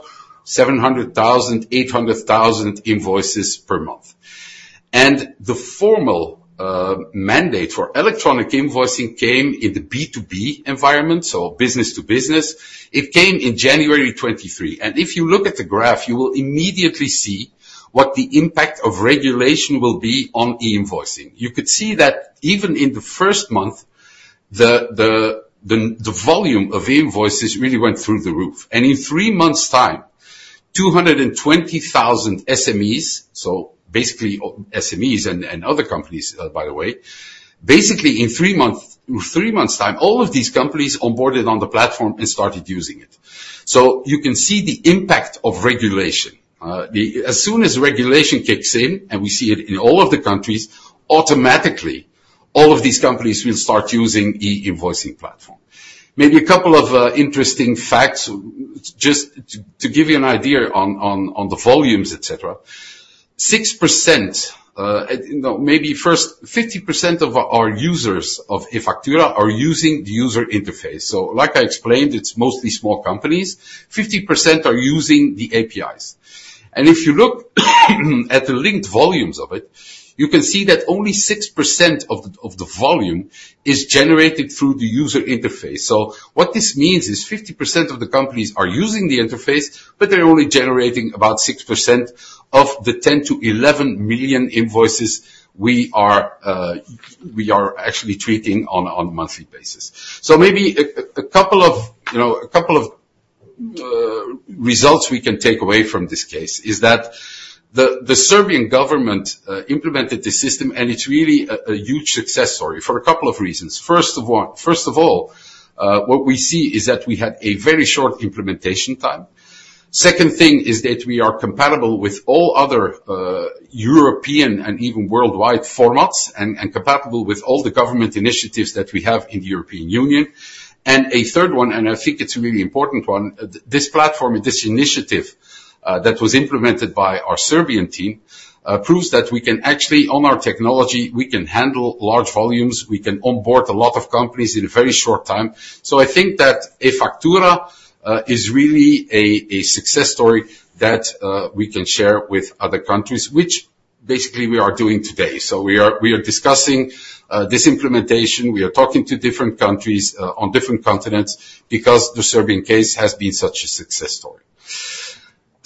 Speaker 3: 700,000-800,000 invoices per month. The formal mandate for electronic invoicing came in the B2B environment, so business to business. It came in January 2023, and if you look at the graph, you will immediately see what the impact of regulation will be on e-invoicing. You could see that even in the first month, the volume of invoices really went through the roof, and in three months' time, 220,000 SMEs. So basically, SMEs and other companies, by the way, basically in three months' time, all of these companies onboarded on the platform and started using it. So you can see the impact of regulation. As soon as regulation kicks in, and we see it in all of the countries, automatically, all of these companies will start using e-invoicing platform. Maybe a couple of interesting facts, just to give you an idea on the volumes, et cetera. 6%, maybe first, 50% of our users of eFaktura are using the user interface. So like I explained, it's mostly small companies. 50% are using the APIs. And if you look at the linked volumes of it, you can see that only 6% of the volume is generated through the user interface. So what this means is 50% of the companies are using the interface, but they're only generating about 6% of the 10-11 million invoices we are actually treating on a monthly basis. So maybe a couple of, you know, a couple of results we can take away from this case is that the Serbian government implemented the system, and it's really a huge success story for a couple of reasons. First of all, what we see is that we had a very short implementation time. Second thing is that we are compatible with all other European and even worldwide formats, and compatible with all the government initiatives that we have in the European Union. A third one, and I think it's a really important one, this platform and this initiative that was implemented by our Serbian team proves that we can actually, on our technology, we can handle large volumes. We can onboard a lot of companies in a very short time. So I think that eFaktura is really a success story that we can share with other countries, which basically we are doing today. So we are discussing this implementation. We are talking to different countries on different continents because the Serbian case has been such a success story.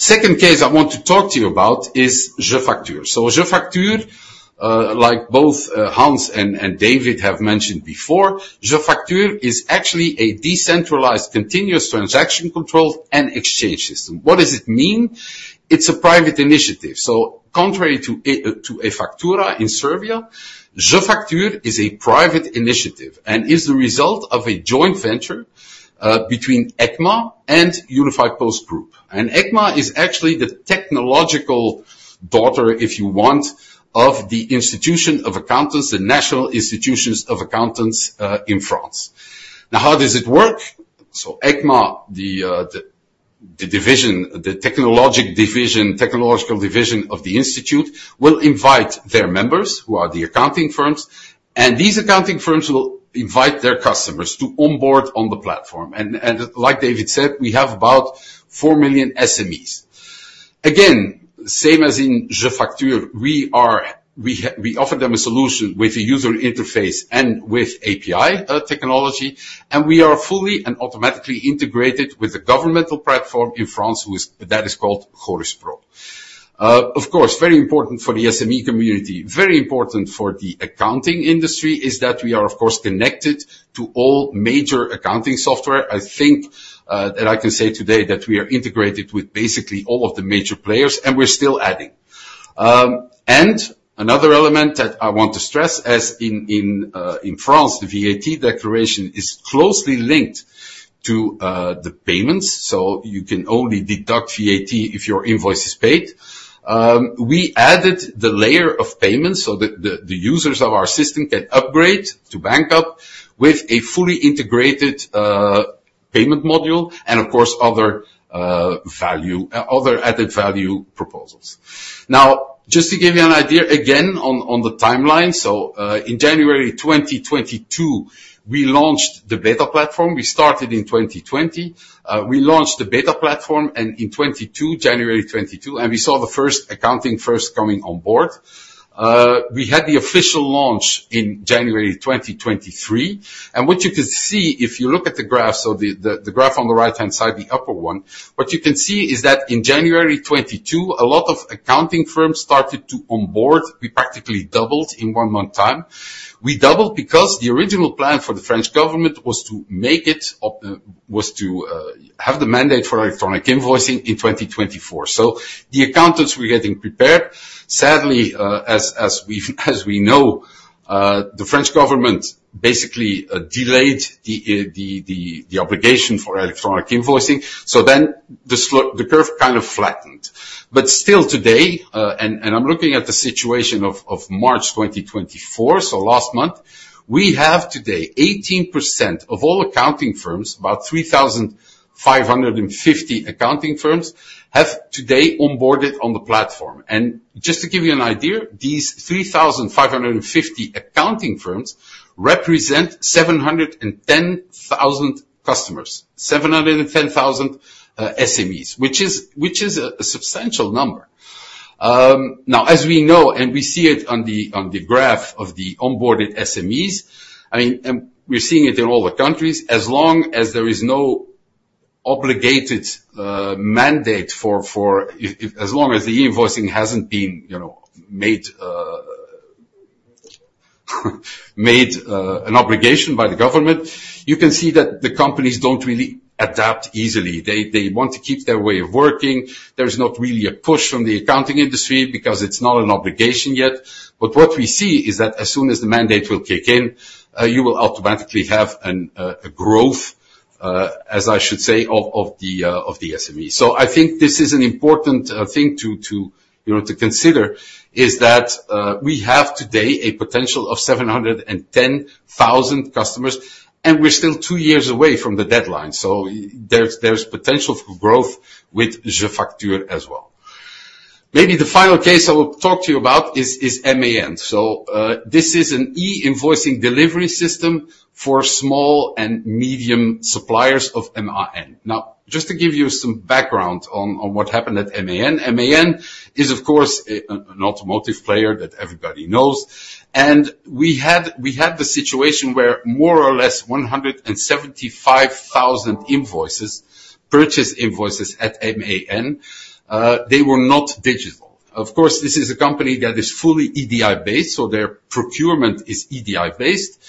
Speaker 3: Second case I want to talk to you about is JeFacture. So JeFacture, like both Hans and David have mentioned before, JeFacture is actually a decentralized, continuous transaction control and exchange system. What does it mean? It's a private initiative. So contrary to eFaktura in Serbia, JeFacture is a private initiative and is the result of a joint venture between ECMA and Unifiedpost Group. And ECMA is actually the technological daughter, if you want, of the French National Institution of Accountants in France. Now, how does it work? So ECMA, the technological division of the institute, will invite their members, who are the accounting firms, and these accounting firms will invite their customers to onboard on the platform. And like David said, we have about 4 million SMEs. Again, same as in JeFacture, we offer them a solution with a user interface and with API technology, and we are fully and automatically integrated with the governmental platform in France, that is called Chorus Pro. Of course, very important for the SME community, very important for the accounting industry, is that we are, of course, connected to all major accounting software. I think, and I can say today, that we are integrated with basically all of the major players, and we're still adding. And another element that I want to stress, as in France, the VAT declaration is closely linked to the payments. So you can only deduct VAT if your invoice is paid. We added the layer of payments so that the users of our system can upgrade to Banqup with a fully integrated payment module and of course, other added value proposals. Now, just to give you an idea, again, on the timeline. So, in January 2022, we launched the beta platform. We started in 2020. We launched the beta platform, and in 2022, January 2022, and we saw the first accounting first coming on board. We had the official launch in January 2023, and what you can see, if you look at the graph, so the graph on the right-hand side, the upper one, what you can see is that in January 2022, a lot of accounting firms started to onboard. We practically doubled in one month time. We doubled because the original plan for the French government was to make it was to have the mandate for electronic invoicing in 2024. So the accountants were getting prepared. Sadly, as we've, as we know, the French government basically delayed the obligation for electronic invoicing. So then the curve kind of flattened. But still today, and I'm looking at the situation of March 2024, so last month, we have today 18% of all accounting firms, about 3,550 accounting firms, have today onboarded on the platform. And just to give you an idea, these 3,550 accounting firms represent 710,000 customers, 710,000 SMEs, which is a substantial number. Now, as we know, and we see it on the graph of the onboarded SMEs, I mean, we're seeing it in all the countries, as long as there is no obligated mandate for... As long as the e-invoicing hasn't been, you know, made an obligation by the government, you can see that the companies don't really adapt easily. They want to keep their way of working. There's not really a push from the accounting industry because it's not an obligation yet. But what we see is that as soon as the mandate will kick in, you will automatically have a growth, as I should say, of the SME. So I think this is an important thing to, you know, to consider, is that we have today a potential of 710,000 customers, and we're still two years away from the deadline. So there's potential for growth with JeFacture as well. Maybe the final case I will talk to you about is MAN. So, this is an e-invoicing delivery system for small and medium suppliers of MAN. Now, just to give you some background on what happened at MAN. MAN is, of course, an automotive player that everybody knows, and we had the situation where more or less 175,000 invoices, purchase invoices at MAN, they were not digital. Of course, this is a company that is fully EDI-based, so their procurement is EDI-based.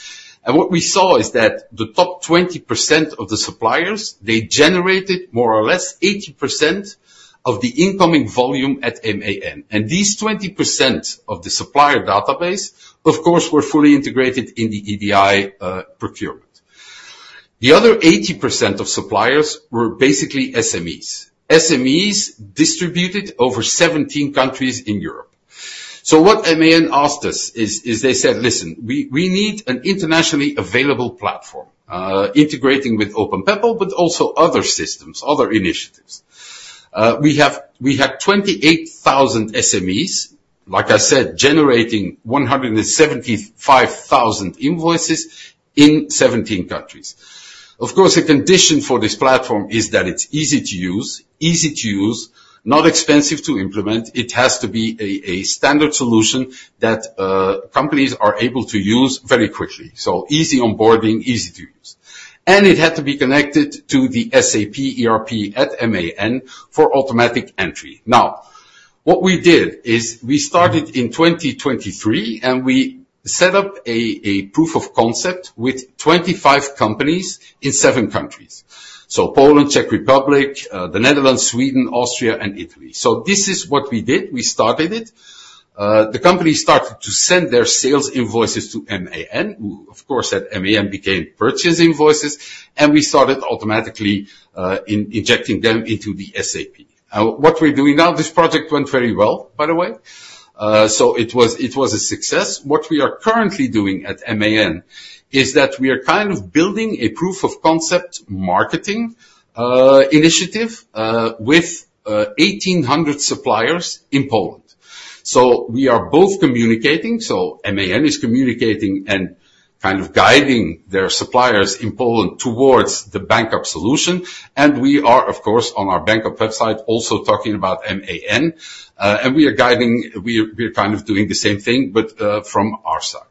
Speaker 3: And what we saw is that the top 20% of the suppliers, they generated more or less 80% of the incoming volume at MAN. And these 20% of the supplier database, of course, were fully integrated in the EDI procurement. The other 80% of suppliers were basically SMEs. SMEs distributed over 17 countries in Europe. What MAN asked us is, they said: "Listen, we need an internationally available platform, integrating with OpenPeppol, but also other systems, other initiatives." We had 28,000 SMEs, like I said, generating 175,000 invoices in 17 countries. Of course, a condition for this platform is that it's easy to use. Easy to use, not expensive to implement. It has to be a standard solution that companies are able to use very quickly. So easy onboarding, easy to use. And it had to be connected to the SAP ERP at MAN for automatic entry. Now, what we did is we started in 2023, and we set up a proof of concept with 25 companies in 7 countries. So Poland, Czech Republic, the Netherlands, Sweden, Austria, and Italy. So this is what we did. We started, the company started to send their sales invoices to MAN, who, of course, at MAN became purchase invoices, and we started automatically in injecting them into the SAP. What we're doing now, this project went very well, by the way. So it was, it was a success. What we are currently doing at MAN is that we are kind of building a proof of concept marketing initiative with 1,800 suppliers in Poland. So we are both communicating, so MAN is communicating and kind of guiding their suppliers in Poland towards the Banqup solution, and we are, of course, on our Banqup website also talking about MAN. And we are guiding, we are kind of doing the same thing, but from our side.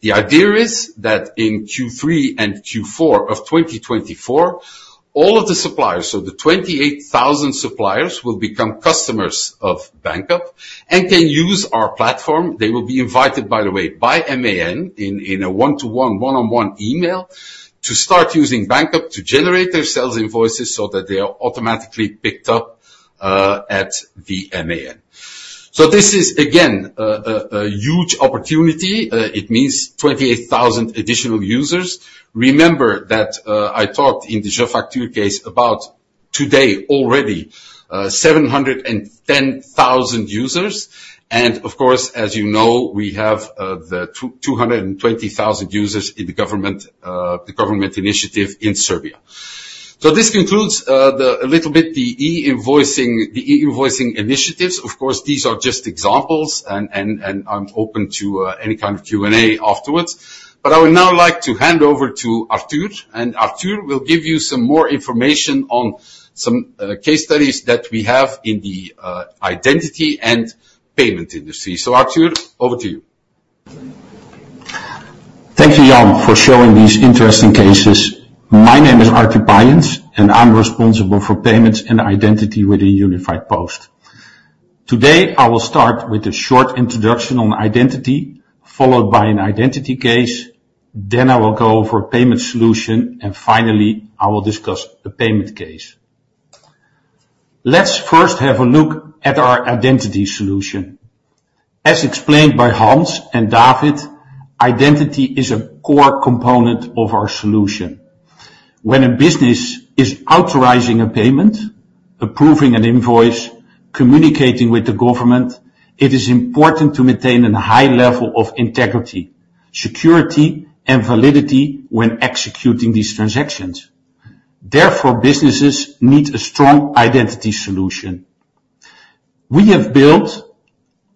Speaker 3: The idea is that in Q3 and Q4 of 2024, all of the suppliers, so the 28,000 suppliers, will become customers of Banqup and can use our platform. They will be invited, by the way, by MAN in a one-to-one email, to start using Banqup to generate their sales invoices so that they are automatically picked up at the MAN. So this is again a huge opportunity. It means 28,000 additional users. Remember that I talked in the JeFacture case about today already 710,000 users. And of course, as you know, we have the 220,000 users in the government initiative in Serbia. So this concludes a little bit the e-invoicing initiatives. Of course, these are just examples and I'm open to any kind of Q&A afterwards. But I would now like to hand over to Arthur, and Arthur will give you some more information on some case studies that we have in the identity and payment industry. So Arthur, over to you.
Speaker 4: Thank you, Jan, for showing these interesting cases. My name is Arthur Paijens, and I'm responsible for payments and identity with the Unifiedpost. Today, I will start with a short introduction on identity, followed by an identity case, then I will go over payment solution, and finally, I will discuss a payment case. Let's first have a look at our identity solution. As explained by Hans and David, identity is a core component of our solution. When a business is authorizing a payment, approving an invoice, communicating with the government, it is important to maintain a high level of integrity, security, and validity when executing these transactions. Therefore, businesses need a strong identity solution. We have built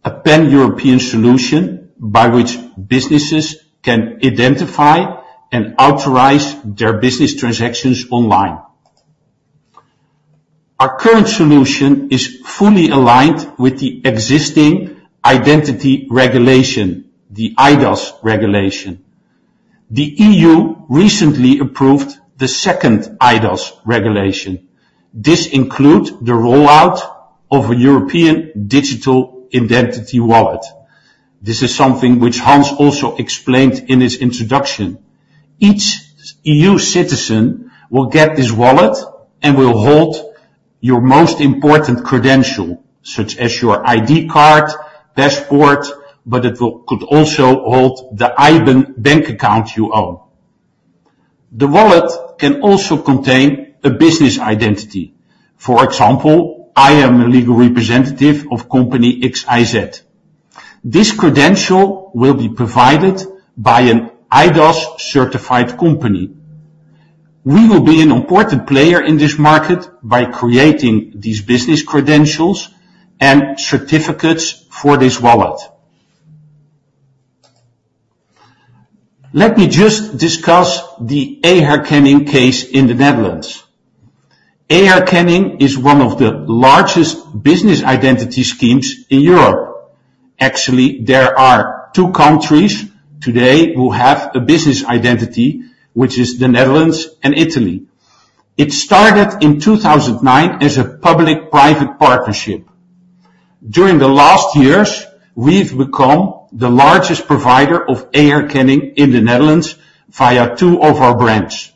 Speaker 4: a Pan-European solution by which businesses can identify and authorize their business transactions online. Our current solution is fully aligned with the existing identity regulation, the eIDAS regulation. The EU recently approved the second eIDAS regulation. This includes the rollout of a European Digital Identity Wallet. This is something which Hans also explained in his introduction. Each EU citizen will get this wallet and will hold your most important credential, such as your ID card, passport, but it will, could also hold the IBAN bank account you own. The wallet can also contain a business identity. For example, I am a legal representative of Company X, Y, Z. This credential will be provided by an eIDAS-certified company. We will be an important player in this market by creating these business credentials and certificates for this wallet. Let me just discuss the eHerkenning case in the Netherlands. eHerkenning is one of the largest business identity schemes in Europe. Actually, there are two countries today who have a business identity, which is the Netherlands and Italy. It started in 2009 as a public-private partnership. During the last years, we've become the largest provider of eHerkenning in the Netherlands via two of our brands.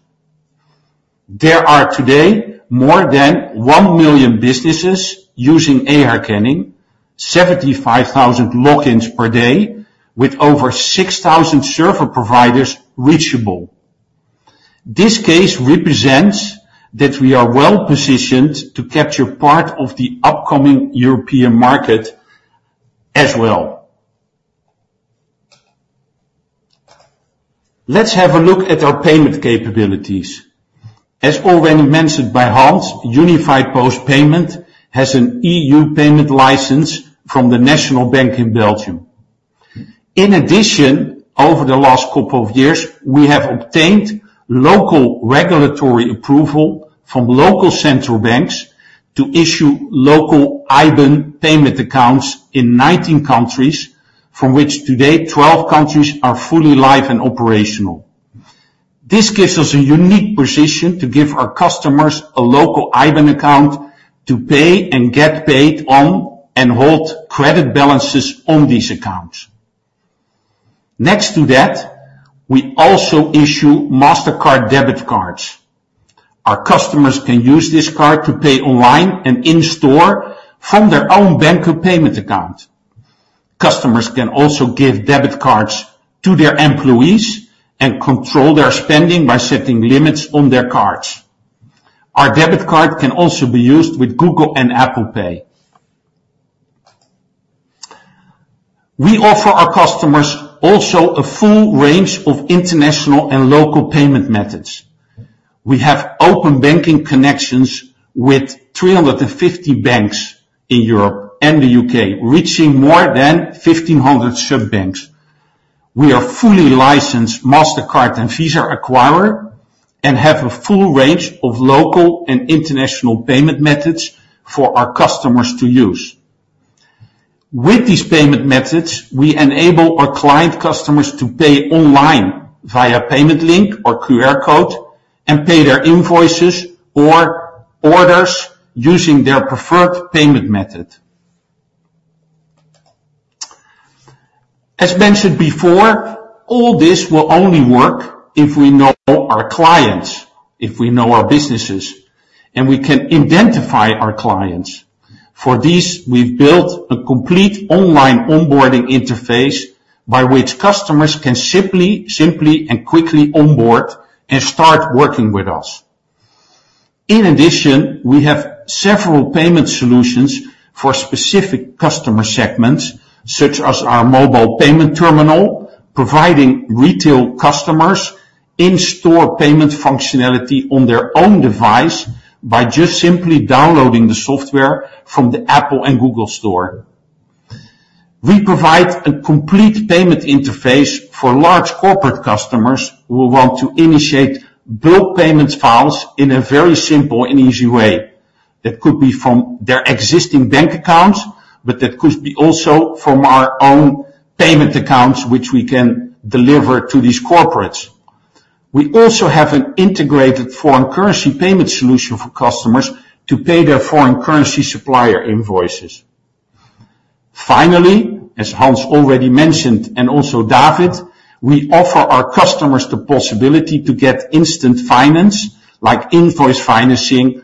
Speaker 4: There are today more than 1 million businesses using eHerkenning, 75,000 logins per day, with over 6,000 server providers reachable. This case represents that we are well positioned to capture part of the upcoming European market as well. Let's have a look at our payment capabilities. As already mentioned by Hans, Unifiedpost Payments has an EU payment license from the National Bank of Belgium. In addition, over the last couple of years, we have obtained local regulatory approval from local central banks to issue local IBAN payment accounts in 19 countries, from which today 12 countries are fully live and operational. This gives us a unique position to give our customers a local IBAN account to pay and get paid on, and hold credit balances on these accounts. Next to that, we also issue Mastercard debit cards. Our customers can use this card to pay online and in store from their own Banqup payment account. Customers can also give debit cards to their employees and control their spending by setting limits on their cards. Our debit card can also be used with Google and Apple Pay. We offer our customers also a full range of international and local payment methods. We have open banking connections with 350 banks in Europe and the U.K., reaching more than 1,500 sub banks. We are fully licensed Mastercard and Visa acquirer, and have a full range of local and international payment methods for our customers to use. With these payment methods, we enable our client customers to pay online via payment link or QR code, and pay their invoices or orders using their preferred payment method. As mentioned before, all this will only work if we know our clients, if we know our businesses, and we can identify our clients. For these, we've built a complete online onboarding interface by which customers can simply, simply and quickly onboard and start working with us. In addition, we have several payment solutions for specific customer segments, such as our mobile payment terminal, providing retail customers in-store payment functionality on their own device by just simply downloading the software from the Apple and Google Store. We provide a complete payment interface for large corporate customers who want to initiate bill payment files in a very simple and easy way. That could be from their existing bank accounts, but that could be also from our own payment accounts, which we can deliver to these corporates. We also have an integrated foreign currency payment solution for customers to pay their foreign currency supplier invoices. Finally, as Hans already mentioned, and also David, we offer our customers the possibility to get instant finance, like invoice financing.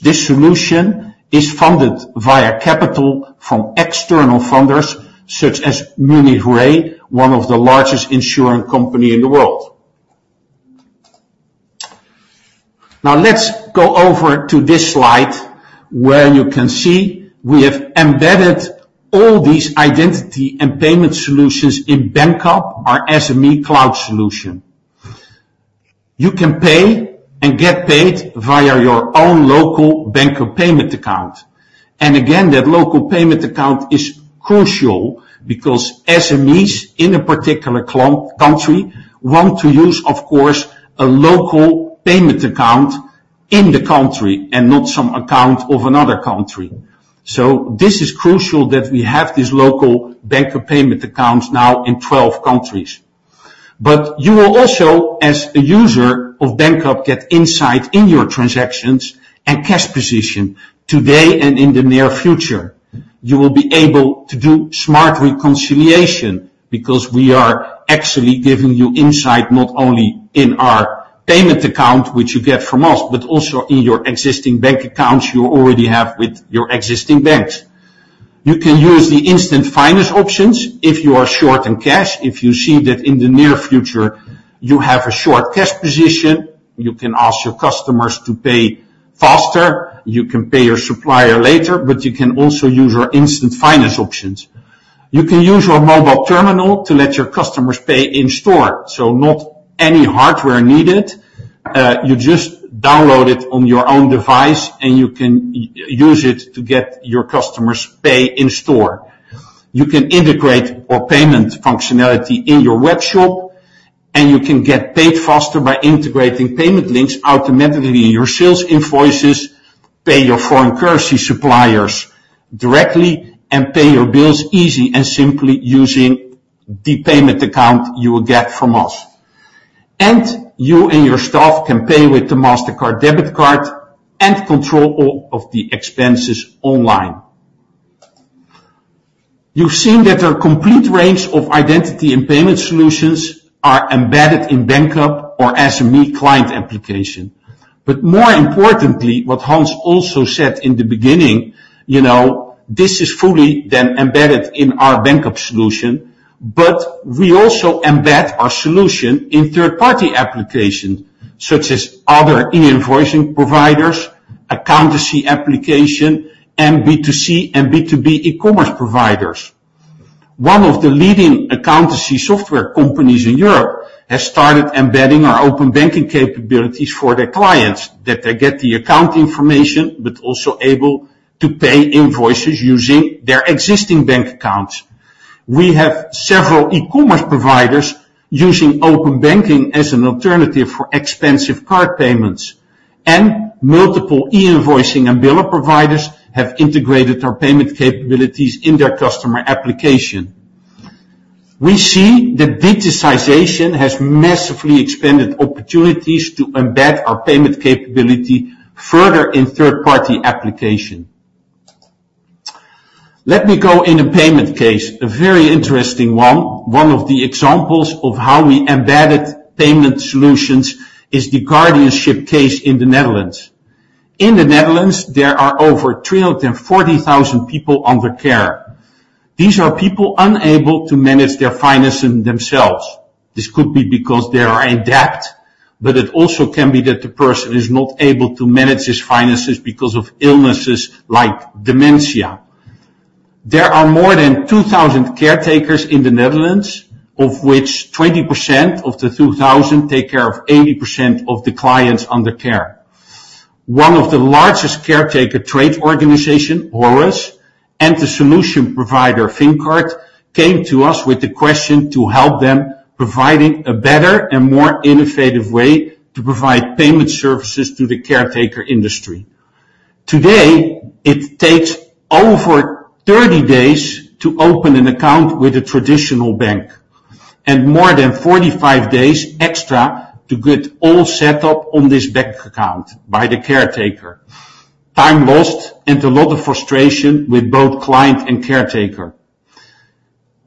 Speaker 4: This solution is funded via capital from external funders such as Munich Re, one of the largest insurance company in the world. Now, let's go over to this slide, where you can see we have embedded all these identity and payment solutions in Banqup, our SME cloud solution. You can pay and get paid via your own local Banqup payment account. And again, that local payment account is crucial because SMEs in a particular country want to use, of course, a local payment account in the country, and not some account of another country. So this is crucial that we have this local Banqup payment accounts now in 12 countries. But you will also, as a user of Banqup, get insight in your transactions and cash position today and in the near future. You will be able to do smart reconciliation, because we are actually giving you insight, not only in our payment account, which you get from us, but also in your existing bank accounts you already have with your existing banks. You can use the instant finance options if you are short in cash. If you see that in the near future you have a short cash position, you can ask your customers to pay faster, you can pay your supplier later, but you can also use our instant finance options. You can use your mobile terminal to let your customers pay in store, so not any hardware needed, you just download it on your own device, and you can use it to get your customers pay in store. You can integrate our payment functionality in your web shop, and you can get paid faster by integrating payment links automatically in your sales invoices, pay your foreign currency suppliers directly, and pay your bills easy and simply using the payment account you will get from us. And you and your staff can pay with the Mastercard debit card and control all of the expenses online. You've seen that our complete range of identity and payment solutions are embedded in Banqup, our SME client application. But more importantly, what Hans also said in the beginning, you know, this is fully then embedded in our Banqup solution, but we also embed our solution in third-party applications, such as other e-invoicing providers, accountancy application, and B2C and B2B e-commerce providers. One of the leading accountancy software companies in Europe has started embedding our open banking capabilities for their clients, that they get the account information, but also able to pay invoices using their existing bank accounts. We have several e-commerce providers using open banking as an alternative for expensive card payments, and multiple e-invoicing and biller providers have integrated our payment capabilities in their customer application. We see that digitization has massively expanded opportunities to embed our payment capability further in third-party applications. Let me go into a payment case, a very interesting one. One of the examples of how we embedded payment solutions is the guardianship case in the Netherlands. In the Netherlands, there are over 340,000 people under care. These are people unable to manage their finances themselves. This could be because they are in debt, but it also can be that the person is not able to manage his finances because of illnesses like dementia. There are more than 2,000 caretakers in the Netherlands, of which 20% of the 2,000 take care of 80% of the clients under care. One of the largest caretaker trade organizations, Horus, and the solution provider, Fyncard, came to us with the question to help them provide a better and more innovative way to provide payment services to the caretaker industry. Today, it takes over 30 days to open an account with a traditional bank, and more than 45 days extra to get all set up on this bank account by the caretaker. Time lost, and a lot of frustration with both client and caretaker.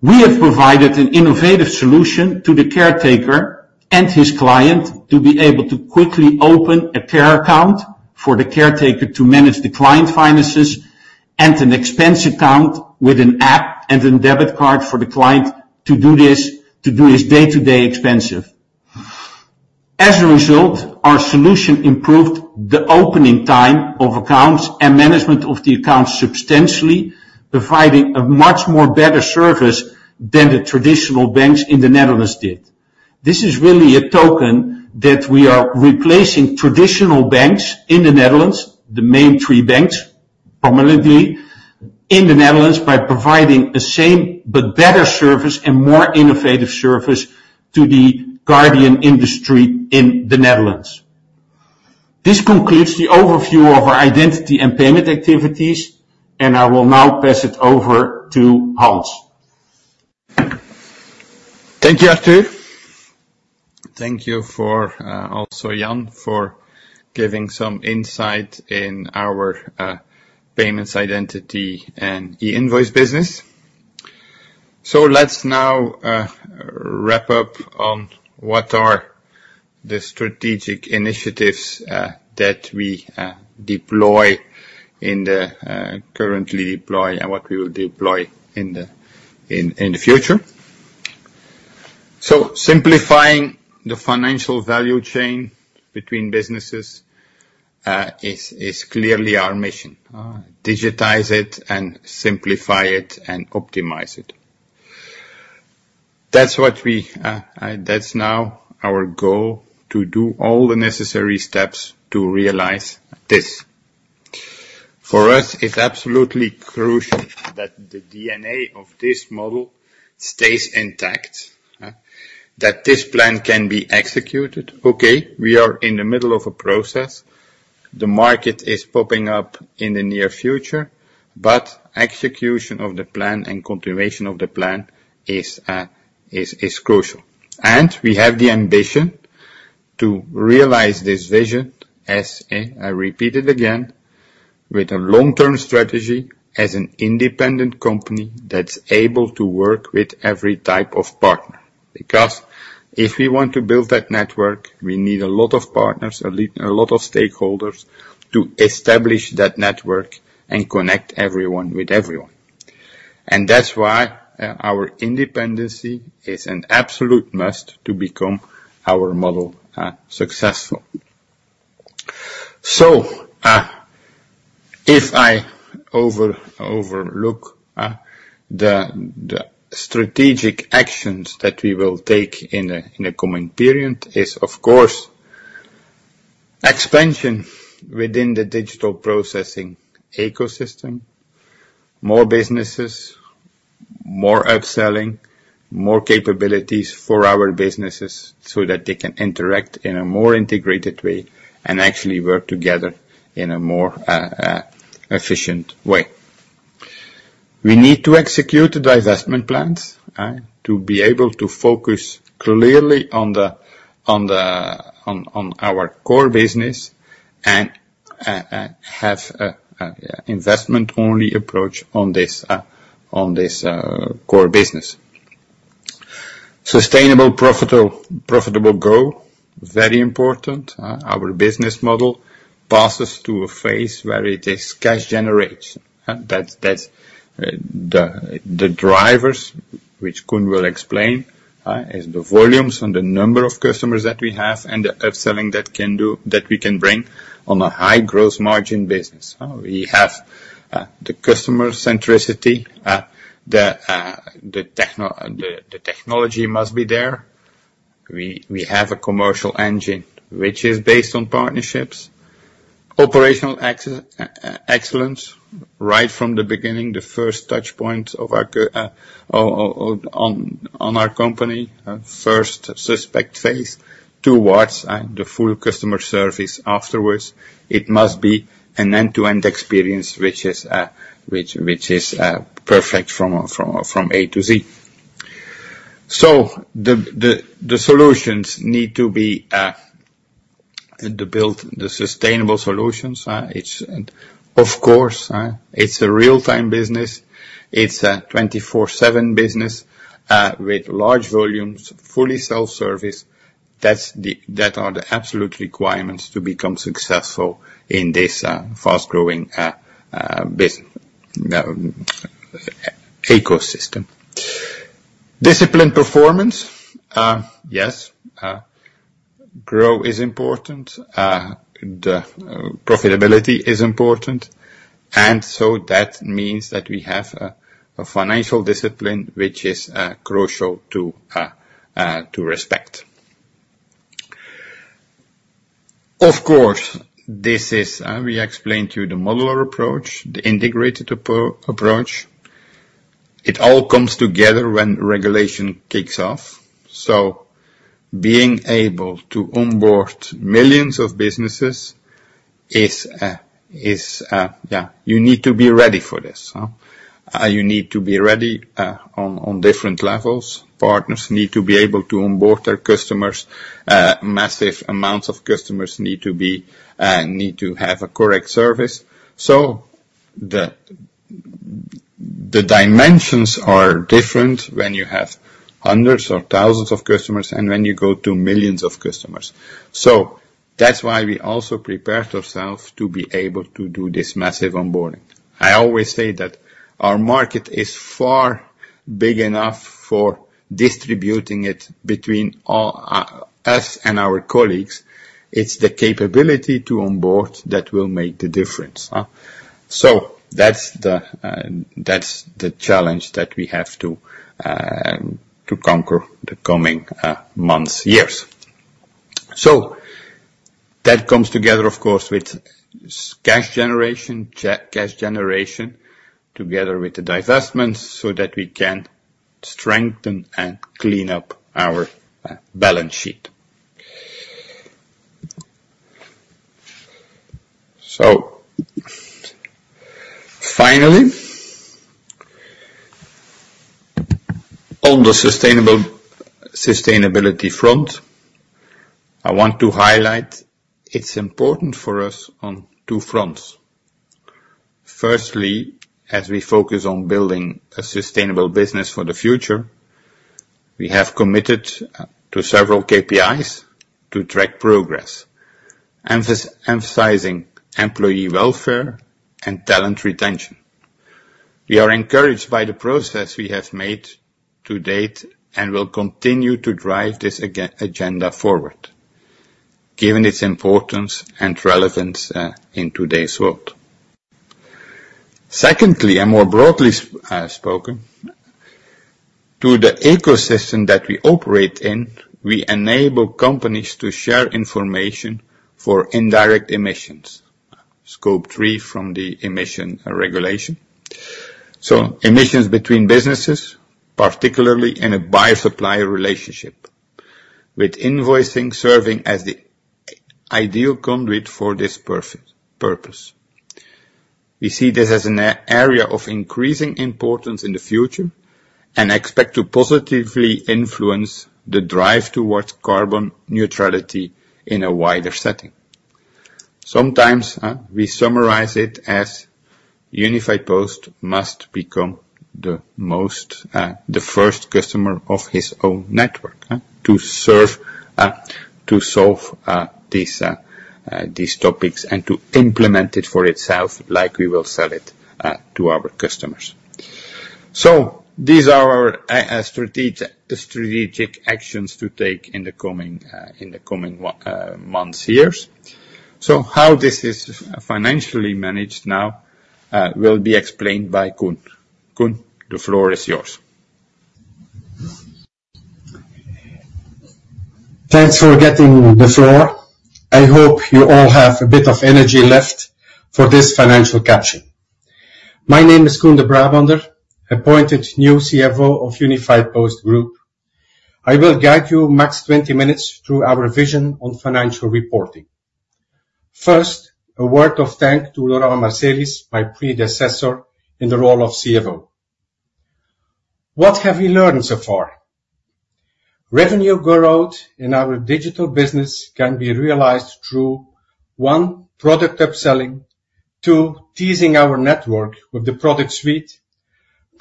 Speaker 4: We have provided an innovative solution to the caretaker and his client to be able to quickly open a care account for the caretaker to manage the client finances, and an expense account with an app and a debit card for the client to do this, to do his day-to-day expenses. As a result, our solution improved the opening time of accounts and management of the account substantially, providing a much more better service than the traditional banks in the Netherlands did. This is really a token that we are replacing traditional banks in the Netherlands, the main three banks, prominently, in the Netherlands, by providing the same but better service and more innovative service to the guardian industry in the Netherlands. This concludes the overview of our identity and payment activities, and I will now pass it over to Hans.
Speaker 2: Thank you, Arthur. Thank you for also, Jan, for giving some insight in our payments, identity, and e-invoice business. So let's now wrap up on what are the strategic initiatives that we currently deploy and what we will deploy in the future. So simplifying the financial value chain between businesses is clearly our mission. Digitize it and simplify it, and optimize it. That's what we, that's now our goal, to do all the necessary steps to realize this. For us, it's absolutely crucial that the DNA of this model stays intact, that this plan can be executed. Okay, we are in the middle of a process. The market is popping up in the near future, but execution of the plan and continuation of the plan is crucial. We have the ambition to realize this vision, as I repeat it again, with a long-term strategy as an independent company that's able to work with every type of partner. Because if we want to build that network, we need a lot of partners, a lot of stakeholders to establish that network and connect everyone with everyone. That's why our independency is an absolute must to become our model successful. So if I overlook the strategic actions that we will take in a coming period is, of course, expansion within the digital processing ecosystem, more businesses, more upselling, more capabilities for our businesses so that they can interact in a more integrated way and actually work together in a more efficient way. We need to execute the divestment plans to be able to focus clearly on our core business and have a investment-only approach on this core business. Sustainable, profitable growth, very important, our business model passes through a phase where it is cash generation, that's the drivers, which Koen will explain, is the volumes and the number of customers that we have and the upselling that we can bring on a high growth margin business. We have the customer centricity, the technology must be there. We have a commercial engine which is based on partnerships. Operational excellence, right from the beginning, the first touch point of our customer onboarding on our company, first suspect phase towards the full customer service afterwards, it must be an end-to-end experience, which is, which, which is perfect from A to Z. So the solutions need to be to build the sustainable solutions, it's of course, it's a real-time business. It's a 24/7 business with large volumes, fully self-service. That are the absolute requirements to become successful in this fast-growing business ecosystem. Disciplined performance. Yes, growth is important, the profitability is important, and so that means that we have a financial discipline, which is crucial to respect. Of course, this is, we explained to you the modular approach, the integrated approach. It all comes together when regulation kicks off, so being able to onboard millions of businesses is, is, yeah, you need to be ready for this, huh? You need to be ready, on different levels. Partners need to be able to onboard their customers. Massive amounts of customers need to be, need to have a correct service. So the dimensions are different when you have hundreds or thousands of customers, and when you go to millions of customers. So that's why we also prepared ourselves to be able to do this massive onboarding. I always say that our market is far big enough for distributing it between all, us and our colleagues. It's the capability to onboard that will make the difference, huh? So that's the challenge that we have to conquer the coming months, years. So that comes together, of course, with cash generation, together with the divestments, so that we can strengthen and clean up our balance sheet. So finally, on the sustainability front, I want to highlight it's important for us on two fronts. Firstly, as we focus on building a sustainable business for the future, we have committed to several KPIs to track progress, emphasizing employee welfare and talent retention. We are encouraged by the progress we have made to date and will continue to drive this agenda forward, given its importance and relevance in today's world. Secondly, and more broadly, speaking to the ecosystem that we operate in, we enable companies to share information for indirect emissions, Scope 3 from the emission regulation. So emissions between businesses, particularly in a buyer-supplier relationship, with invoicing serving as the ideal conduit for this purpose. We see this as an area of increasing importance in the future, and expect to positively influence the drive towards carbon neutrality in a wider setting. Sometimes, we summarize it as Unifiedpost must become the first customer of his own network to solve these topics and to implement it for itself, like we will sell it to our customers. So these are our strategic actions to take in the coming months, years. So how this is financially managed now, will be explained by Koen. Koen, the floor is yours.
Speaker 5: Thanks for getting the floor. I hope you all have a bit of energy left for this financial capture. My name is Koen De Brabander, appointed new CFO of Unifiedpost Group. I will guide you max 20 minutes through our vision on financial reporting. First, a word of thanks to Laurent Marcelis, my predecessor in the role of CFO. What have we learned so far? Revenue growth in our digital business can be realized through, one, product upselling, two, teasing our network with the product suite,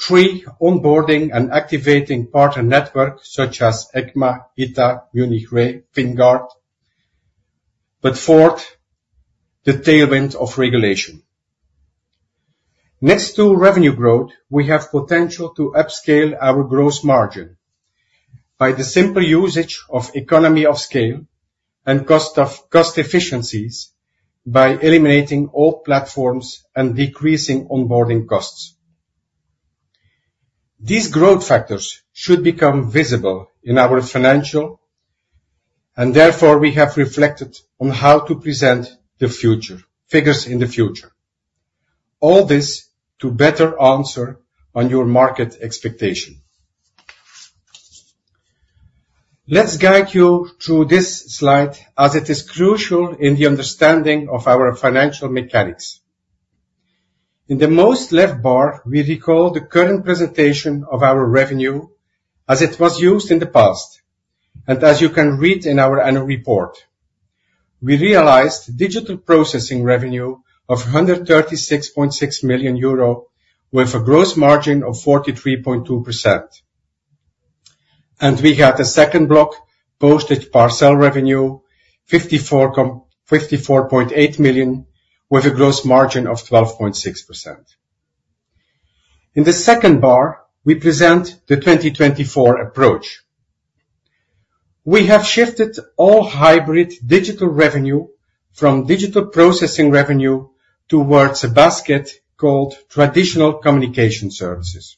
Speaker 5: three, onboarding and activating partner networks such as ECMA, ETAF, UniCredit, Fyncard, but fourth, the tailwind of regulation. Next to revenue growth, we have potential to upscale our gross margin by the simple usage of economies of scale and cost efficiencies, by eliminating all platforms and decreasing onboarding costs. These growth factors should become visible in our financial, and therefore we have reflected on how to present the future figures in the future. All this to better answer on your market expectation. Let's guide you through this slide, as it is crucial in the understanding of our financial mechanics.... In the most left bar, we recall the current presentation of our revenue as it was used in the past, and as you can read in our annual report. We realized digital processing revenue of 136.6 million euro, with a gross margin of 43.2%. And we had a second block, postage parcel revenue, 54.8 million, with a gross margin of 12.6%. In the second bar, we present the 2024 approach. We have shifted all hybrid digital revenue from digital processing revenue towards a basket called Traditional Communication Services.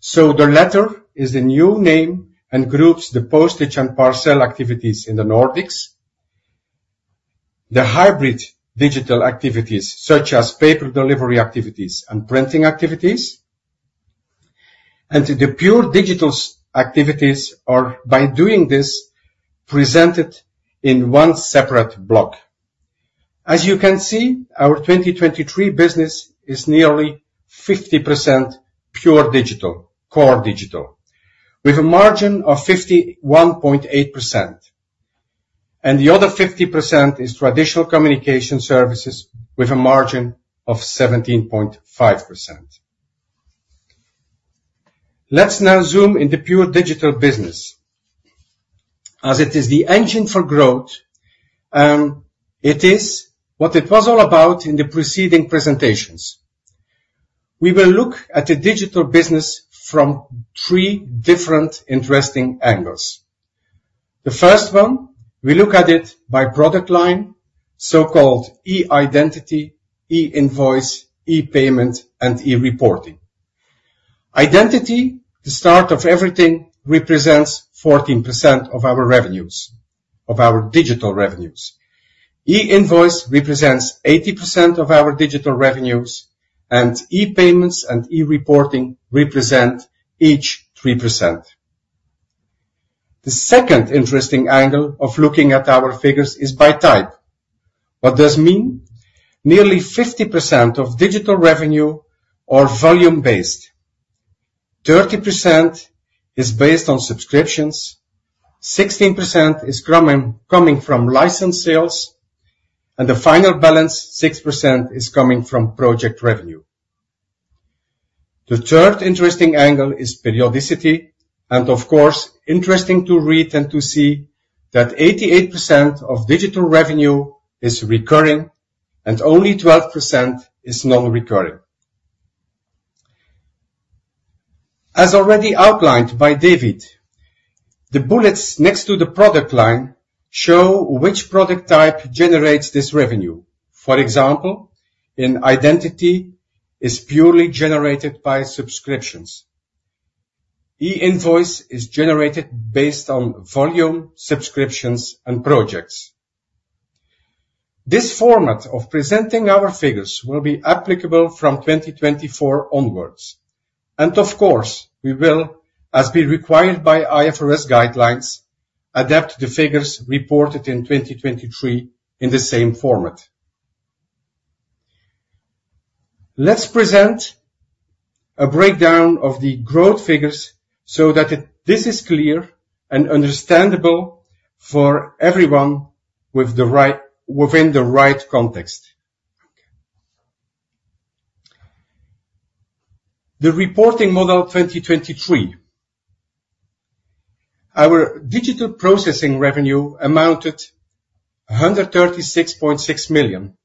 Speaker 5: So the latter is the new name and groups the postage and parcel activities in the Nordics, the hybrid digital activities, such as paper delivery activities and printing activities, and the pure digital activities are, by doing this, presented in one separate block. As you can see, our 2023 business is nearly 50% pure digital, core digital, with a margin of 51.8%, and the other 50% is traditional communication services with a margin of 17.5%. Let's now zoom into pure digital business. As it is the engine for growth, it is what it was all about in the preceding presentations. We will look at the digital business from three different interesting angles. The first one, we look at it by product line, so-called eIdentity, eInvoice, ePayment, and eReporting. Identity, the start of everything, represents 14% of our revenues, of our digital revenues. eInvoice represents 80% of our digital revenues, and ePayments and eReporting represent each 3%. The second interesting angle of looking at our figures is by type. What does it mean? Nearly 50% of digital revenue are volume-based, 30% is based on subscriptions, 16% is coming from license sales, and the final balance, 6%, is coming from project revenue. The third interesting angle is periodicity, and of course, interesting to read and to see that 88% of digital revenue is recurring, and only 12% is non-recurring. As already outlined by David, the bullets next to the product line show which product type generates this revenue. For example, in Identity, is purely generated by subscriptions. eInvoice is generated based on volume, subscriptions, and projects. This format of presenting our figures will be applicable from 2024 onwards, and of course, we will, as be required by IFRS guidelines, adapt the figures reported in 2023 in the same format. Let's present a breakdown of the growth figures so that it--this is clear and understandable for everyone with the right, within the right context. The reporting model 2023. Our digital processing revenue amounted 136.6 million,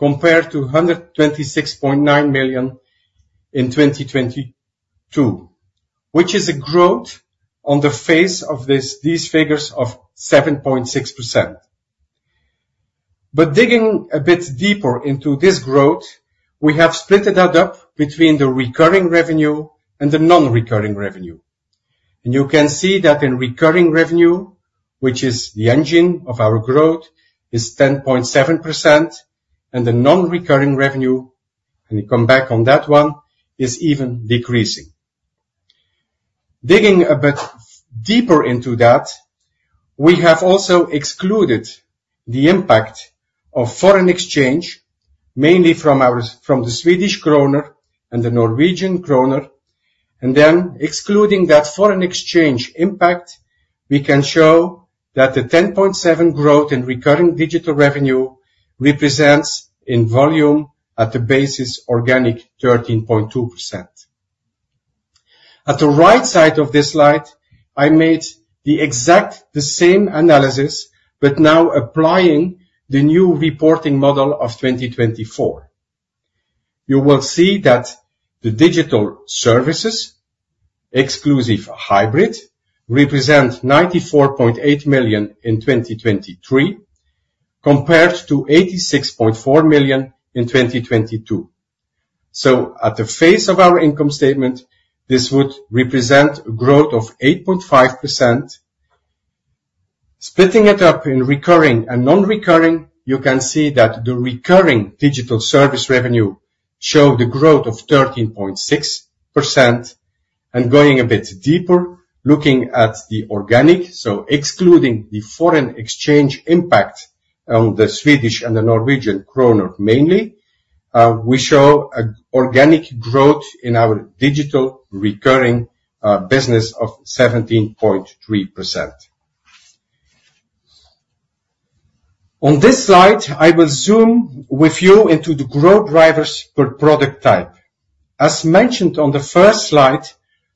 Speaker 5: compared to 126.9 million in 2022, which is a growth on the face of this, these figures of 7.6%. But digging a bit deeper into this growth, we have split that up between the recurring revenue and the non-recurring revenue. You can see that in recurring revenue, which is the engine of our growth, is 10.7%, and the non-recurring revenue, and we come back on that one, is even decreasing. Digging a bit deeper into that, we have also excluded the impact of foreign exchange, mainly from the Swedish kroner and the Norwegian kroner, and then excluding that foreign exchange impact, we can show that the 10.7% growth in recurring digital revenue represents, in volume, at the basis, organic 13.2%. At the right side of this slide, I made exactly the same analysis, but now applying the new reporting model of 2024. You will see that the digital services, exclusive hybrid, represent 94.8 million in 2023, compared to 86.4 million in 2022. So at the face of our income statement, this would represent a growth of 8.5%. Splitting it up in recurring and non-recurring, you can see that the recurring digital service revenue show the growth of 13.6%. And going a bit deeper, looking at the organic, so excluding the foreign exchange impact on the Swedish and the Norwegian kroner mainly, we show a organic growth in our digital recurring, business of 17.3%. On this slide, I will zoom with you into the growth drivers per product type. As mentioned on the first slide,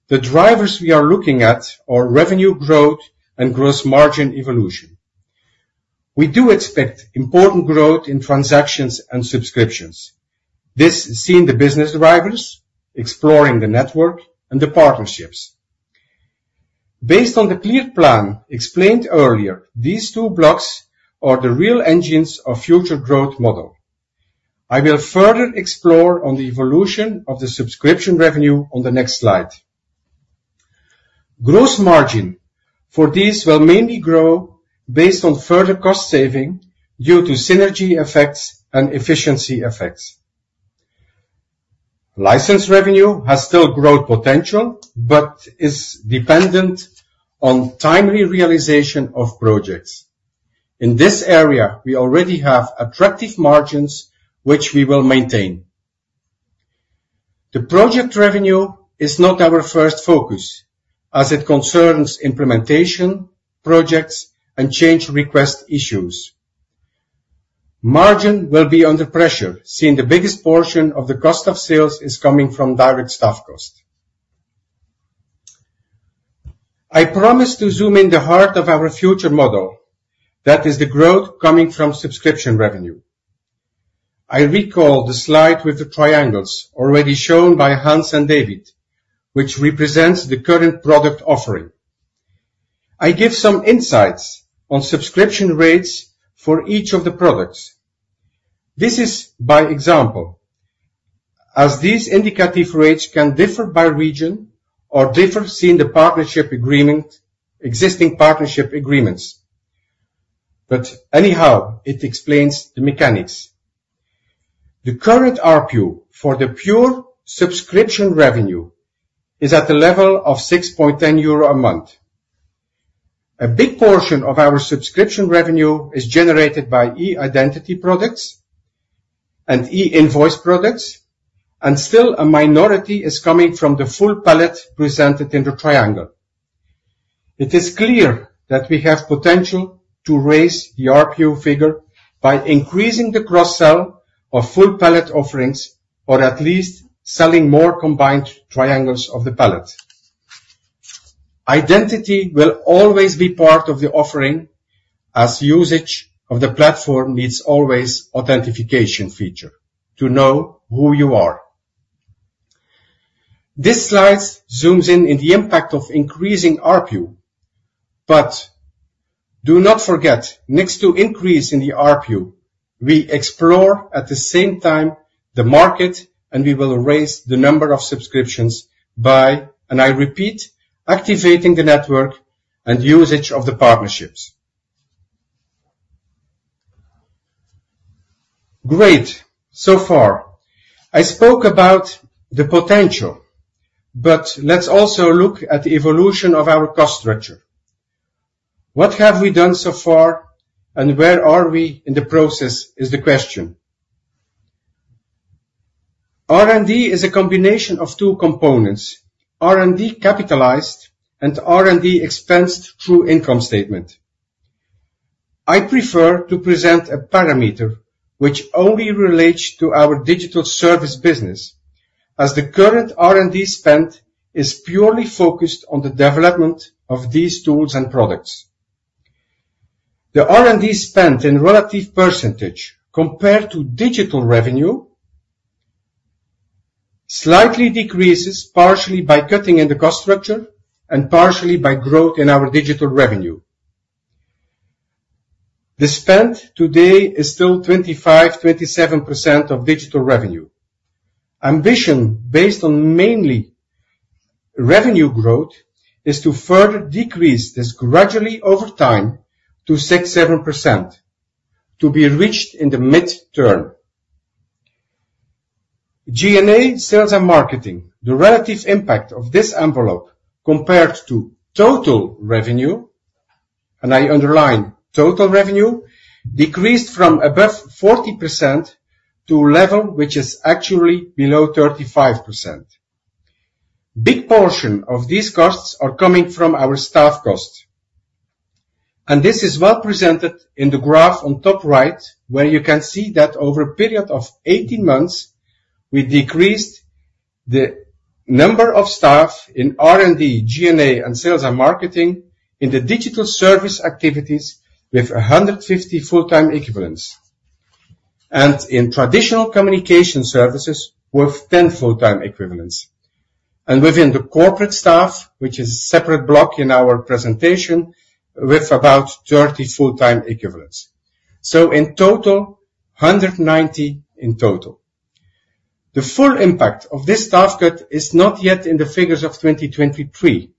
Speaker 5: the drivers we are looking at are revenue growth and gross margin evolution. We do expect important growth in transactions and subscriptions. This seen the business drivers exploring the network and the partnerships. Based on the clear plan explained earlier, these two blocks are the real engines of future growth model. I will further explore on the evolution of the subscription revenue on the next slide. Gross margin for these will mainly grow based on further cost saving due to synergy effects and efficiency effects. License revenue has still growth potential, but is dependent on timely realization of projects. In this area, we already have attractive margins, which we will maintain. The project revenue is not our first focus, as it concerns implementation, projects, and change request issues. Margin will be under pressure, seeing the biggest portion of the cost of sales is coming from direct staff cost. I promise to zoom in the heart of our future model. That is the growth coming from subscription revenue. I recall the slide with the triangles already shown by Hans and David, which represents the current product offering. I give some insights on subscription rates for each of the products. This is by example, as these indicative rates can differ by region or differ seeing the partnership agreement, existing partnership agreements. But anyhow, it explains the mechanics. The current ARPU for the pure subscription revenue is at the level of 6.10 euro a month. A big portion of our subscription revenue is generated by eIdentity products and eInvoice products, and still a minority is coming from the full palette presented in the triangle. It is clear that we have potential to raise the ARPU figure by increasing the cross-sell of full palette offerings, or at least selling more combined triangles of the palette. Identity will always be part of the offering, as usage of the platform needs always authentication feature to know who you are. This slide zooms in on the impact of increasing ARPU, but do not forget, next to increase in the ARPU, we explore, at the same time, the market, and we will raise the number of subscriptions by, and I repeat, activating the network and usage of the partnerships. Great! So far, I spoke about the potential, but let's also look at the evolution of our cost structure. What have we done so far and where are we in the process, is the question. R&D is a combination of two components: R&D capitalized and R&D expensed through income statement. I prefer to present a parameter which only relates to our digital service business, as the current R&D spend is purely focused on the development of these tools and products. The R&D spend in relative percentage compared to digital revenue slightly decreases, partially by cutting in the cost structure and partially by growth in our digital revenue. The spend today is still 25%-27% of digital revenue. Ambition, based on mainly revenue growth, is to further decrease this gradually over time to 6%-7%, to be reached in the midterm. G&A, sales and marketing. The relative impact of this envelope compared to total revenue, and I underline, total revenue, decreased from above 40% to a level which is actually below 35%. big portion of these costs are coming from our staff costs, and this is well presented in the graph on top right, where you can see that over a period of 18 months, we decreased the number of staff in R&D, G&A, and sales and marketing in the digital service activities with 150 full-time equivalents, and in traditional communication services with 10 full-time equivalents. Within the corporate staff, which is a separate block in our presentation, with about 30 full-time equivalents. So in total, 190 in total. The full impact of this staff cut is not yet in the figures of 2023,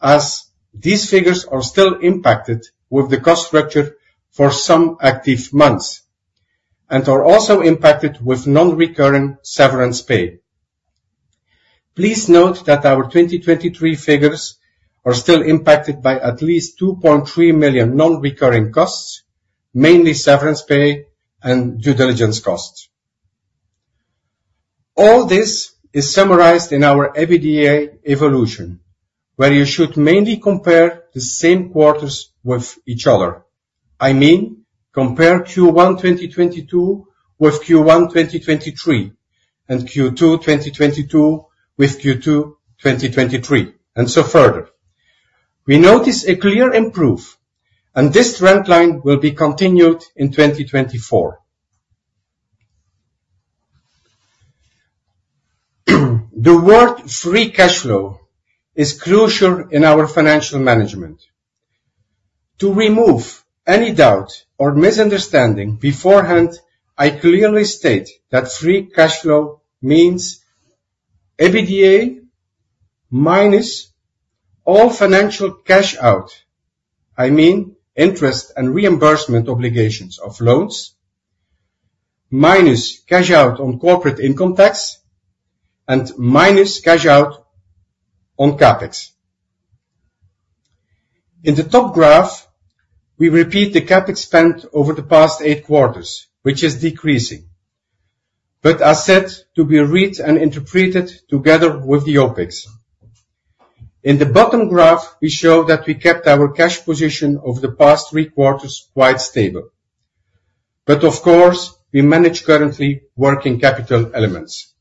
Speaker 5: as these figures are still impacted with the cost structure for some active months and are also impacted with non-recurring severance pay. Please note that our 2023 figures are still impacted by at least 2.3 million non-recurring costs, mainly severance pay and due diligence costs. All this is summarized in our EBITDA evolution, where you should mainly compare the same quarters with each other. I mean, compare Q1 2022 with Q1 2023, and Q2 2022 with Q2 2023, and so further. We notice a clear improve, and this trend line will be continued in 2024. The word free cash flow is crucial in our financial management. To remove any doubt or misunderstanding beforehand, I clearly state that free cash flow means EBITDA minus all financial cash out. I mean, interest and reimbursement obligations of loans, minus cash out on corporate income tax, and minus cash out on CapEx. In the top graph, we repeat the CapEx spent over the past 8 quarters, which is decreasing, but are said to be read and interpreted together with the OpEx. In the bottom graph, we show that we kept our cash position over the past 3 quarters quite stable, but of course, we manage currently working capital elements.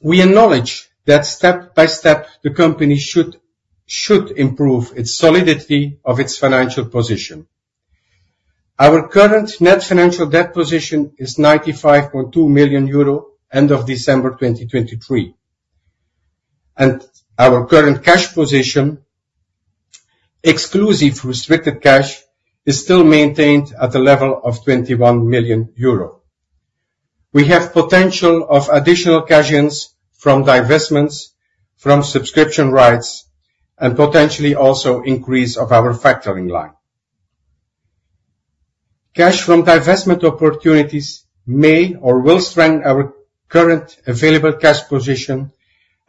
Speaker 5: We acknowledge that step by step, the company should improve its solidity of its financial position. Our current net financial debt position is 95.2 million euro, end of December 2023, and our current cash position, exclusive restricted cash, is still maintained at a level of 21 million euro. We have potential of additional cash ins from divestments, from subscription rights, and potentially also increase of our factoring line. Cash from divestment opportunities may or will strengthen our current available cash position,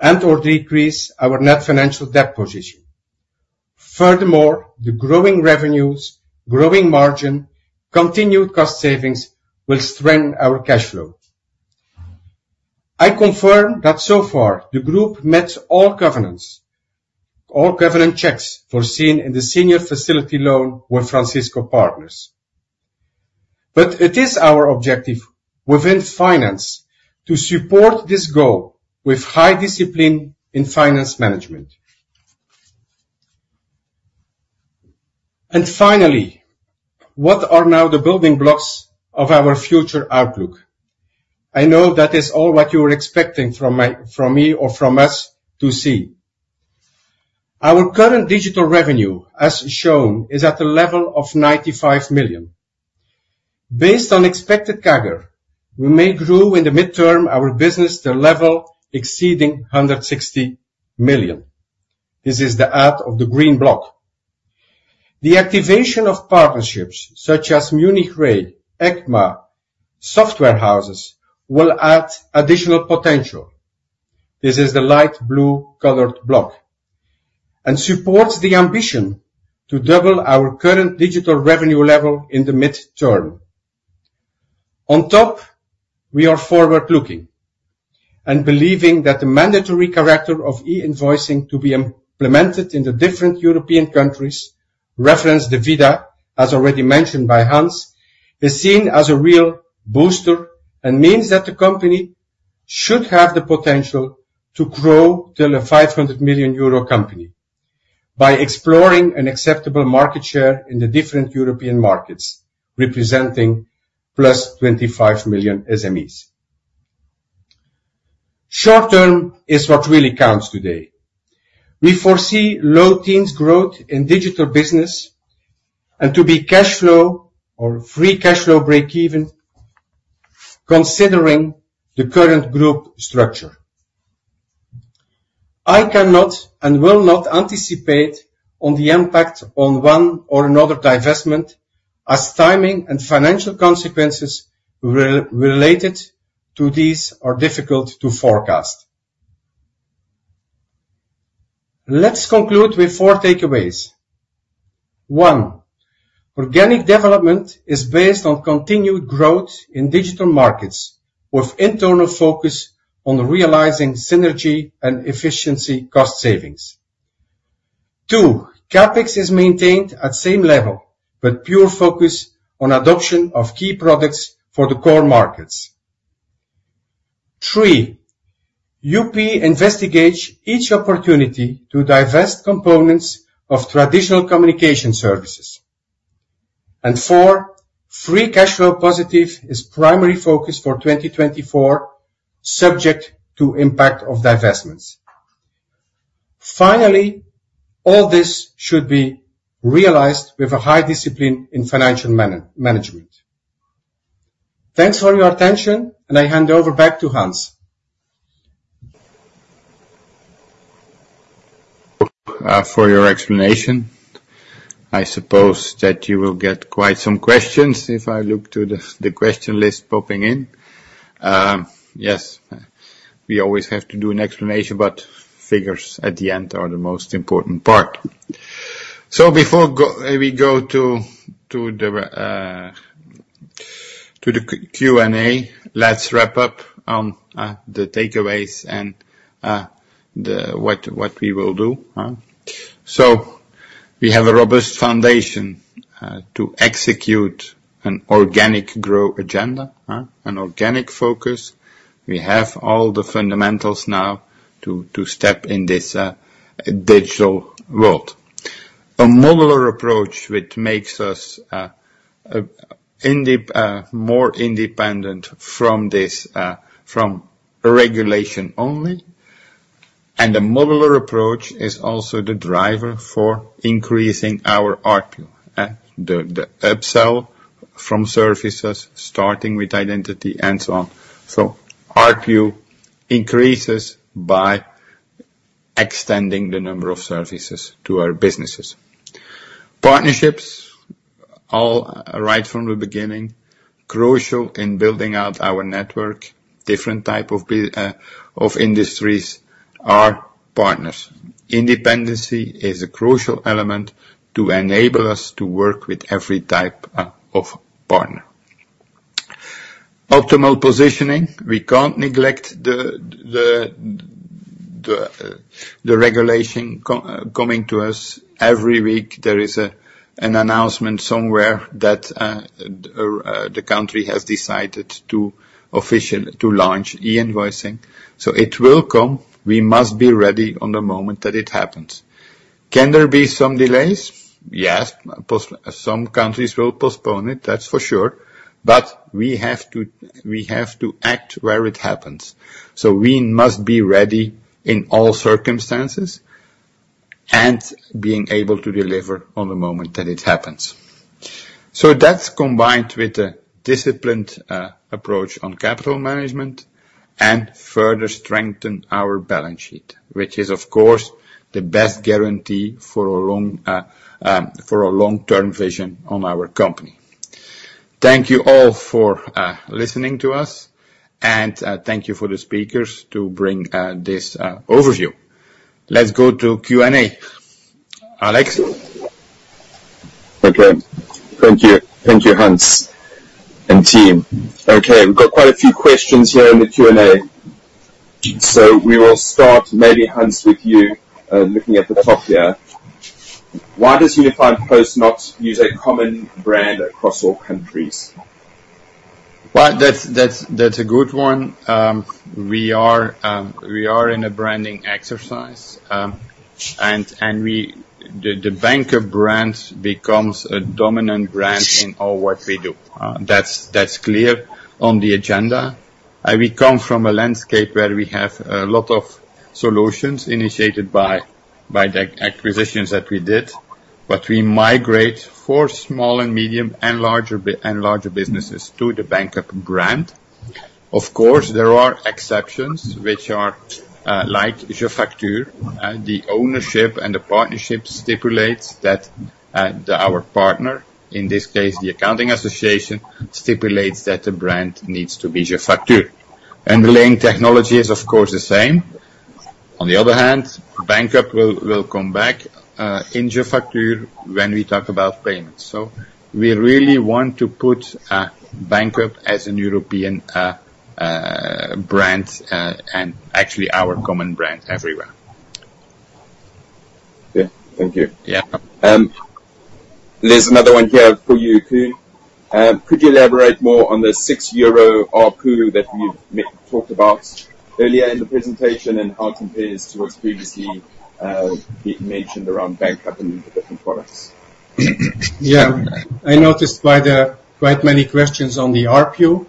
Speaker 5: and/or decrease our net financial debt position. Furthermore, the growing revenues, growing margin, continued cost savings will strengthen our cash flow. I confirm that so far, the group met all governance, all governance checks foreseen in the senior facility loan with Francisco Partners. But it is our objective within finance to support this goal with high discipline in finance management. And finally, what are now the building blocks of our future outlook? I know that is all what you are expecting from my-- from me or from us to see. Our current digital revenue, as shown, is at a level of 95 million. Based on expected CAGR, we may grow in the midterm our business to a level exceeding 160 million. This is the add of the green block. The activation of partnerships such as Munich Re, ECMA, software houses, will add additional potential. This is the light blue colored block, and supports the ambition to double our current digital revenue level in the midterm. On top, we are forward-looking and believing that the mandatory character of e-invoicing to be implemented in the different European countries, reference the ViDA, as already mentioned by Hans, is seen as a real booster and means that the company should have the potential to grow to a 500 million euro company by exploring an acceptable market share in the different European markets, representing plus 25+ million SMEs. Short-term is what really counts today. We foresee low teens growth in digital business and to be cash flow or free cash flow break-even, considering the current group structure. I cannot and will not anticipate on the impact on one or another divestment, as timing and financial consequences are related to these are difficult to forecast. Let's conclude with four takeaways. One, organic development is based on continued growth in digital markets, with internal focus on realizing synergy and efficiency cost savings. Two, CapEx is maintained at same level, but pure focus on adoption of key products for the core markets. Three, UP investigates each opportunity to divest components of traditional communication services. And four, free cash flow positive is primary focus for 2024, subject to impact of divestments. Finally, all this should be realized with a high discipline in financial management. Thanks for your attention, and I hand over back to Hans. For your explanation. I suppose that you will get quite some questions if I look to the question list popping in. Yes, we always have to do an explanation, but figures at the end are the most important part. So before we go to the Q&A, let's wrap up on the takeaways and what we will do. So we have a robust foundation to execute an organic growth agenda, an organic focus. We have all the fundamentals now to step in this digital world. A modular approach, which makes us more independent from regulation only. And the modular approach is also the driver for increasing our ARPU, the upsell from services, starting with identity and so on. So ARPU increases by extending the number of services to our businesses. Partnerships, all right from the beginning, crucial in building out our network. Different type of industries are partners. Independence is a crucial element to enable us to work with every type of partner. Optimal positioning, we can't neglect the regulation coming to us. Every week, there is an announcement somewhere that the country has decided to officially launch e-invoicing. So it will come, we must be ready on the moment that it happens. Can there be some delays? Yes, some countries will postpone it, that's for sure. But we have to act where it happens. So we must be ready in all circumstances, and being able to deliver on the moment that it happens. So that's combined with a disciplined approach on capital management, and further strengthen our balance sheet, which is, of course, the best guarantee for a long-term vision on our company. Thank you all for listening to us, and thank you for the speakers to bring this overview. Let's go to Q&A. Alex?
Speaker 1: Okay. Thank you. Thank you, Hans and team. Okay, we've got quite a few questions here in the Q&A. So we will start, maybe, Hans, with you, looking at the top here. Why does Unifiedpost not use a common brand across all countries?
Speaker 2: Well, that's a good one. We are in a branding exercise, and the Banqup brand becomes a dominant brand in all what we do, that's clear on the agenda. And we come from a landscape where we have a lot of solutions initiated by the acquisitions that we did, but we migrate for small and medium, and larger businesses to the Banqup brand. Of course, there are exceptions which are like JeFacture, the ownership and the partnership stipulates that our partner, in this case, the Accounting Association, stipulates that the brand needs to be JeFacture. And the underlying technology is, of course, the same. On the other hand, Banqup will come back in JeFacture when we talk about payments. So we really want to put Banqup as a European brand, and actually our common brand everywhere.
Speaker 1: Yeah. Thank you.
Speaker 2: Yeah.
Speaker 1: There's another one here for you, Koen. Could you elaborate more on the 6 euro ARPU that you talked about earlier in the presentation, and how it compares to what's previously been mentioned around Banqup and the different products?
Speaker 5: Yeah. I noticed quite, quite many questions on the ARPU.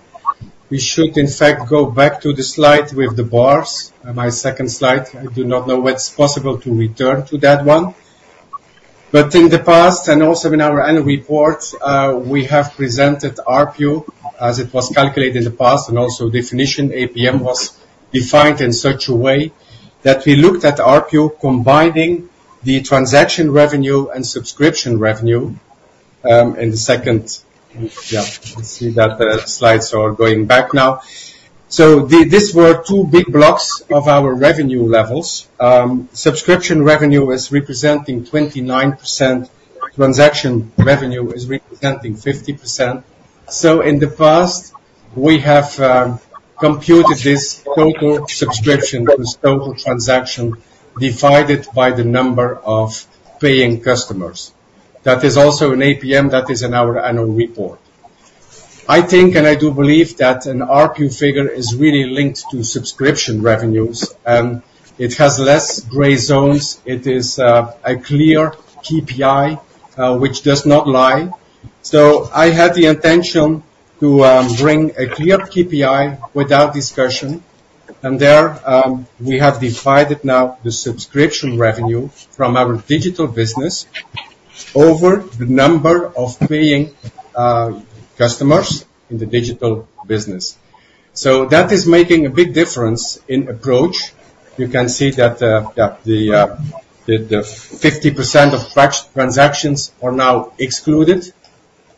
Speaker 5: We should, in fact, go back to the slide with the bars, my second slide. I do not know what's possible to return to that one. But in the past, and also in our annual report, we have presented ARPU as it was calculated in the past, and also definition APM was defined in such a way that we looked at ARPU, combining the transaction revenue and subscription revenue, in the second. Yeah, you see that the slides are going back now. So these were two big blocks of our revenue levels. Subscription revenue is representing 29%, transaction revenue is representing 50%. So in the past, we have computed this total subscription, this total transaction, divided by the number of paying customers. That is also an APM, that is in our annual report. I think, and I do believe, that an ARPU figure is really linked to subscription revenues, and it has less gray zones. It is a clear KPI, which does not lie. So I had the intention to bring a clear KPI without discussion. And there, we have divided now the subscription revenue from our digital business over the number of paying customers in the digital business. So that is making a big difference in approach. You can see that the 50% of tracks transactions are now excluded.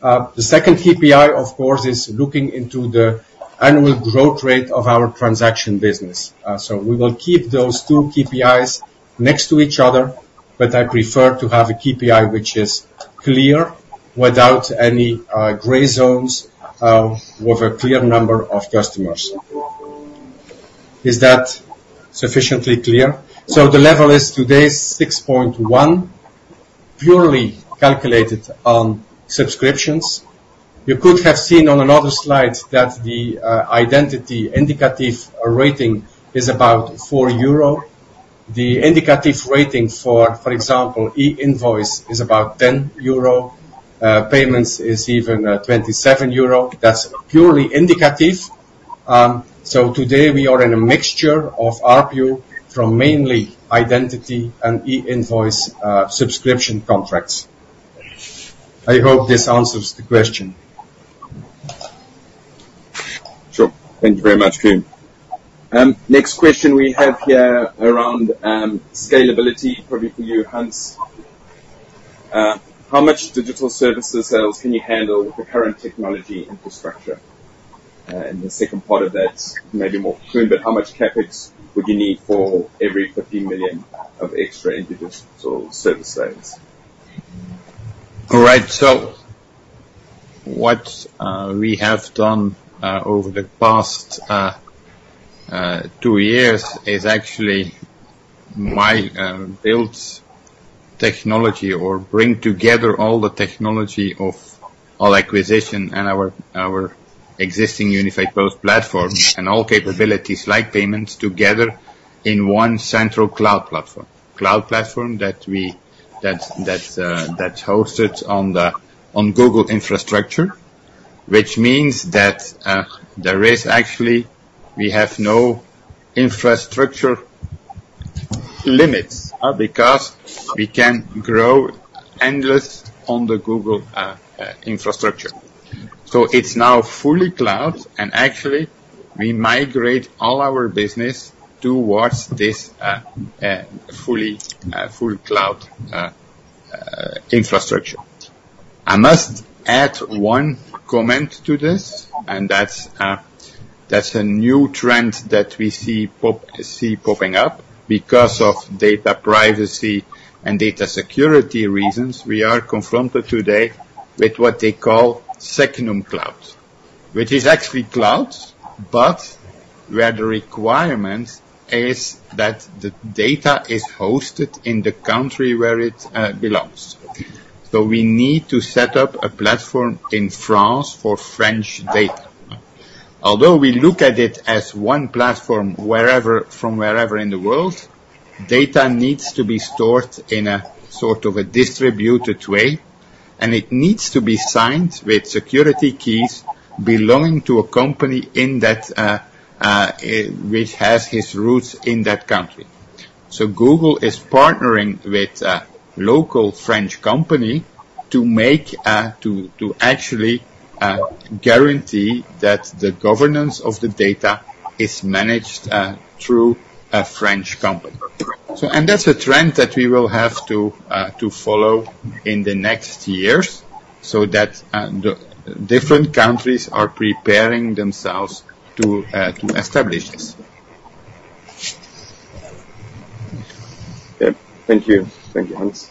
Speaker 5: The second KPI, of course, is looking into the annual growth rate of our transaction business. So we will keep those two KPIs next to each other, but I prefer to have a KPI which is clear, without any gray zones, with a clear number of customers. Is that sufficiently clear? So the level is today 6.1, purely calculated on subscriptions. You could have seen on another slide that the identity indicative rating is about 4 euro. The indicative rating for, for example, e-invoice is about 10 euro, payments is even 27 euro. That's purely indicative. So today we are in a mixture of ARPU from mainly identity and e-invoice subscription contracts. I hope this answers the question.
Speaker 1: Sure. Thank you very much, Koen. Next question we have here around scalability, probably for you, Hans. How much digital services sales can you handle with the current technology infrastructure? And the second part of that may be more Koen, but how much CapEx would you need for every 50 million of extra individual service sales?
Speaker 2: All right. So what we have done over the past two years is actually my builds technology or bring together all the technology of all acquisition and our existing Unifiedpost platform, and all capabilities like payments together in one central cloud platform. Cloud platform that we- that's hosted on the Google infrastructure, which means that there is actually... We have no infrastructure limits because we can grow endless on the Google infrastructure. So it's now fully cloud, and actually, we migrate all our business towards this fully full cloud infrastructure. I must add one comment to this, and that's a new trend that we see popping up. Because of data privacy and data security reasons, we are confronted today with what they call second cloud, which is actually clouds, but where the requirement is that the data is hosted in the country where it belongs. So we need to set up a platform in France for French data. Although we look at it as one platform, wherever, from wherever in the world, data needs to be stored in a sort of a distributed way, and it needs to be signed with security keys belonging to a company in that it which has its roots in that country. So Google is partnering with a local French company to make to actually guarantee that the governance of the data is managed through a French company. So. That's a trend that we will have to follow in the next years, so that the different countries are preparing themselves to establish this.
Speaker 1: Yeah. Thank you. Thank you, Hans.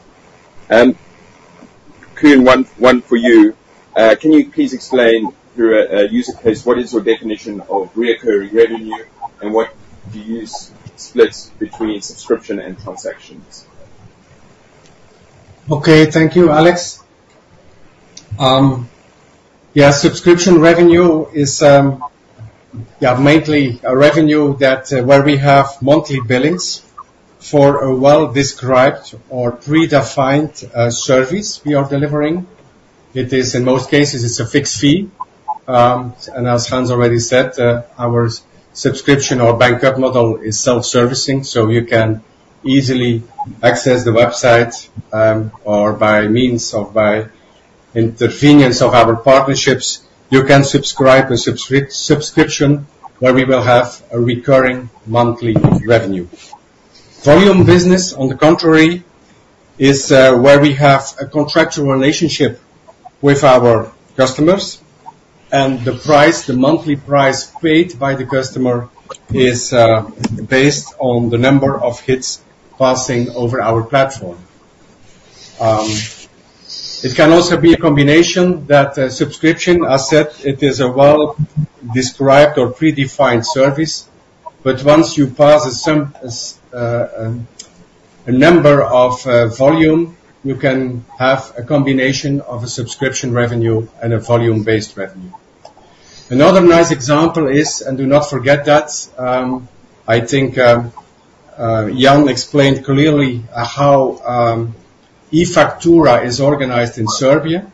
Speaker 1: Koen, one for you. Can you please explain through a use case what is your definition of recurring revenue, and what do you use splits between subscription and transactions?
Speaker 5: Okay. Thank you, Alex. Yeah, subscription revenue is, yeah, mainly a revenue that, where we have monthly billings for a well-described or predefined service we are delivering. It is, in most cases, it's a fixed fee. And as Hans already said, our subscription or Banqup model is self-servicing, so you can easily access the website, or by means of, by intervention of our partnerships, you can subscribe a subscription, where we will have a recurring monthly revenue. Volume business, on the contrary, is, where we have a contractual relationship with our customers, and the price, the monthly price paid by the customer is, based on the number of hits passing over our platform. It can also be a combination that a subscription, as said, it is a well-described or predefined service, but once you pass a certain number of volume, you can have a combination of a subscription revenue and a volume-based revenue. Another nice example is, and do not forget that, I think, Jan explained clearly, how eFaktura is organized in Serbia.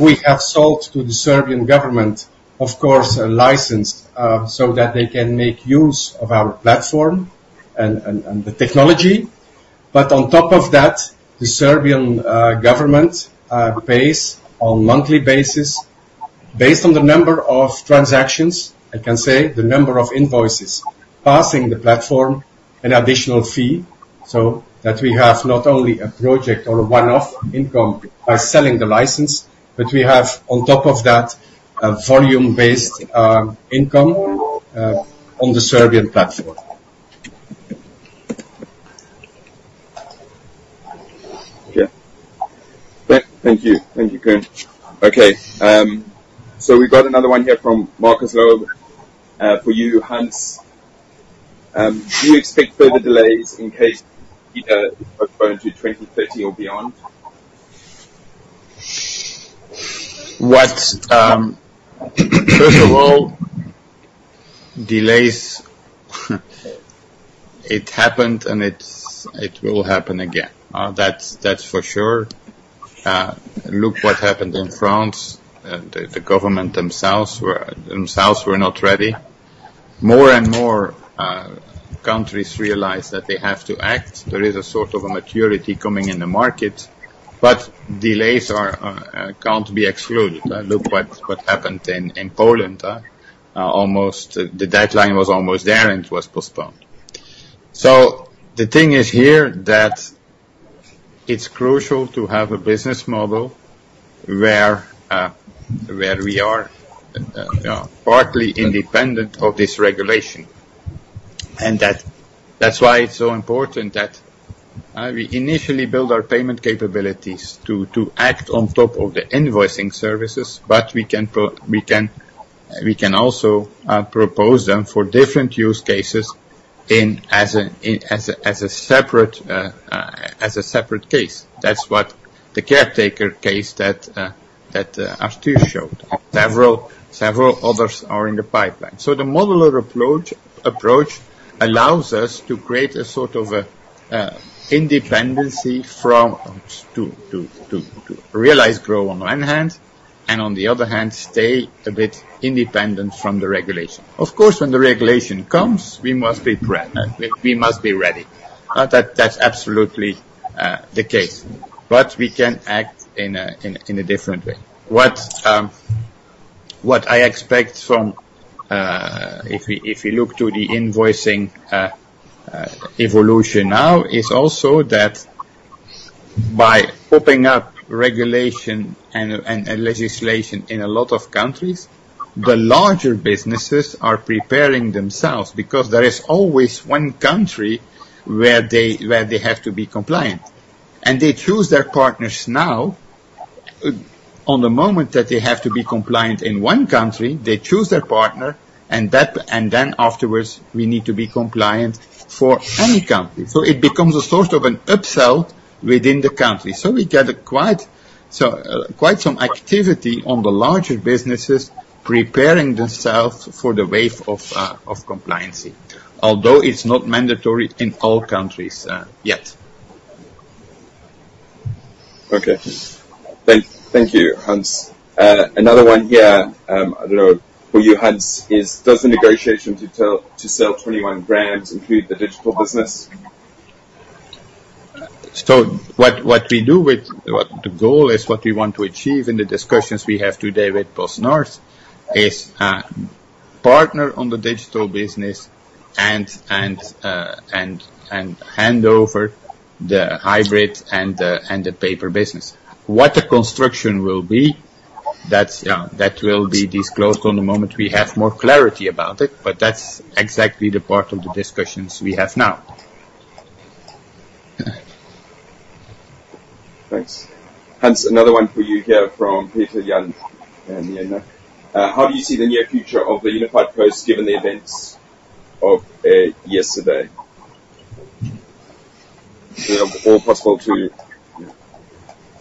Speaker 5: We have sold to the Serbian government, of course, a license, so that they can make use of our platform and, and, and the technology. But on top of that, the Serbian government pays on monthly basis, based on the number of transactions, I can say the number of invoices passing the platform, an additional fee, so that we have not only a project or a one-off income by selling the license, but we have, on top of that, a volume-based income on the Serbian platform.
Speaker 1: Yeah. Thank you. Thank you, Koen. Okay, so we've got another one here from Marcus Loeb, for you, Hans. Do you expect further delays in case postponed to 2030 or beyond?
Speaker 2: What, first of all, delays, it happened, and it's, it will happen again. That's, that's for sure. Look what happened in France. The government themselves were not ready. More and more countries realize that they have to act. There is a sort of a maturity coming in the market, but delays can't be excluded. Look what happened in Poland. Almost... The deadline was almost there, and it was postponed. So the thing is here, that it's crucial to have a business model where we are partly independent of this regulation. And that's why it's so important that we initially build our payment capabilities to act on top of the invoicing services, but we can pro. We can also propose them for different use cases as a separate case. That's what the caretaker case that Arthur showed. Several others are in the pipeline. So the modular approach allows us to create a sort of independency from which to realize growth on one hand, and on the other hand, stay a bit independent from the regulation. Of course, when the regulation comes, we must be pre- we must be ready. That, that's absolutely the case. But we can act in a different way. What I expect from. If we, if we look to the invoicing evolution now, it is also that by opening up regulation and, and, and legislation in a lot of countries, the larger businesses are preparing themselves, because there is always one country where they, where they have to be compliant. And they choose their partners now. On the moment that they have to be compliant in one country, they choose their partner, and that, and then afterwards, we need to be compliant for any country. So it becomes a sort of an upsell within the country. So we get a quite, so, quite some activity on the larger businesses preparing themselves for the wave of compliancy, although it's not mandatory in all countries yet.
Speaker 1: Okay. Thank you, Hans. Another one here, I don't know, for you, Hans, is: Does the negotiation to sell 21grams include the digital business?
Speaker 2: What the goal is, what we want to achieve in the discussions we have today with PostNord, is to partner on the digital business and hand over the hybrid and the paper business. What the construction will be, that will be disclosed at the moment we have more clarity about it, but that's exactly the part of the discussions we have now.
Speaker 1: Thanks. Hans, another one for you here from Peter Jan in Vienna. How do you see the near future of the Unifiedpost, given the events of yesterday? You know, or possible to-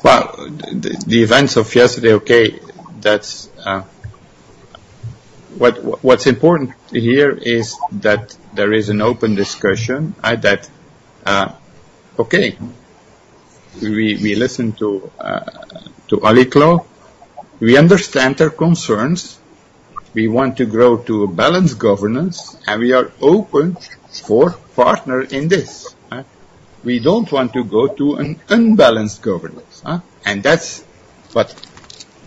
Speaker 2: Well, the events of yesterday, okay, that's... What's important here is that there is an open discussion, okay, we listen to Alychlo. We understand their concerns. We want to grow to a balanced governance, and we are open for partner in this? We don't want to go to an unbalanced governance, and that's what...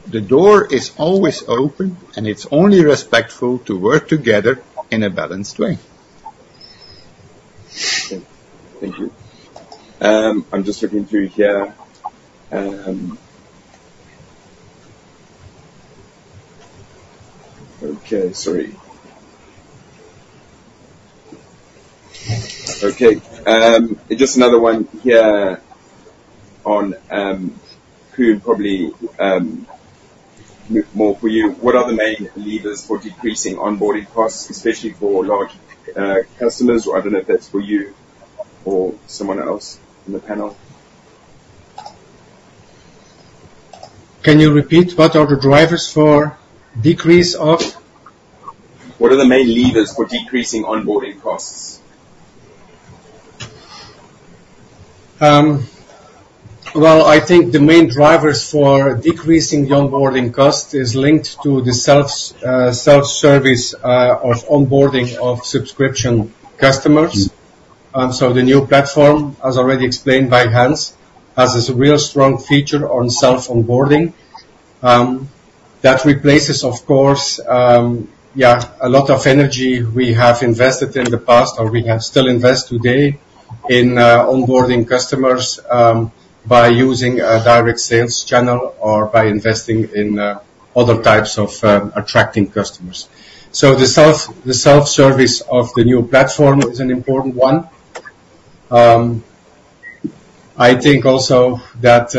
Speaker 2: The door is always open, and it's only respectful to work together in a balanced way.
Speaker 1: Thank you. I'm just looking through here. Okay, sorry. Okay, just another one here on, Koen, probably, more for you. What are the main levers for decreasing onboarding costs, especially for large customers? I don't know if that's for you or someone else in the panel.
Speaker 5: Can you repeat, what are the drivers for decrease of?
Speaker 1: What are the main levers for decreasing onboarding costs?
Speaker 5: Well, I think the main drivers for decreasing the onboarding cost is linked to the self-service of onboarding of subscription customers. So the new platform, as already explained by Hans, has this real strong feature on self-onboarding. That replaces, of course, yeah, a lot of energy we have invested in the past, or we have still invest today in onboarding customers, by using a direct sales channel or by investing in other types of attracting customers. So the self-service of the new platform is an important one. I think also that,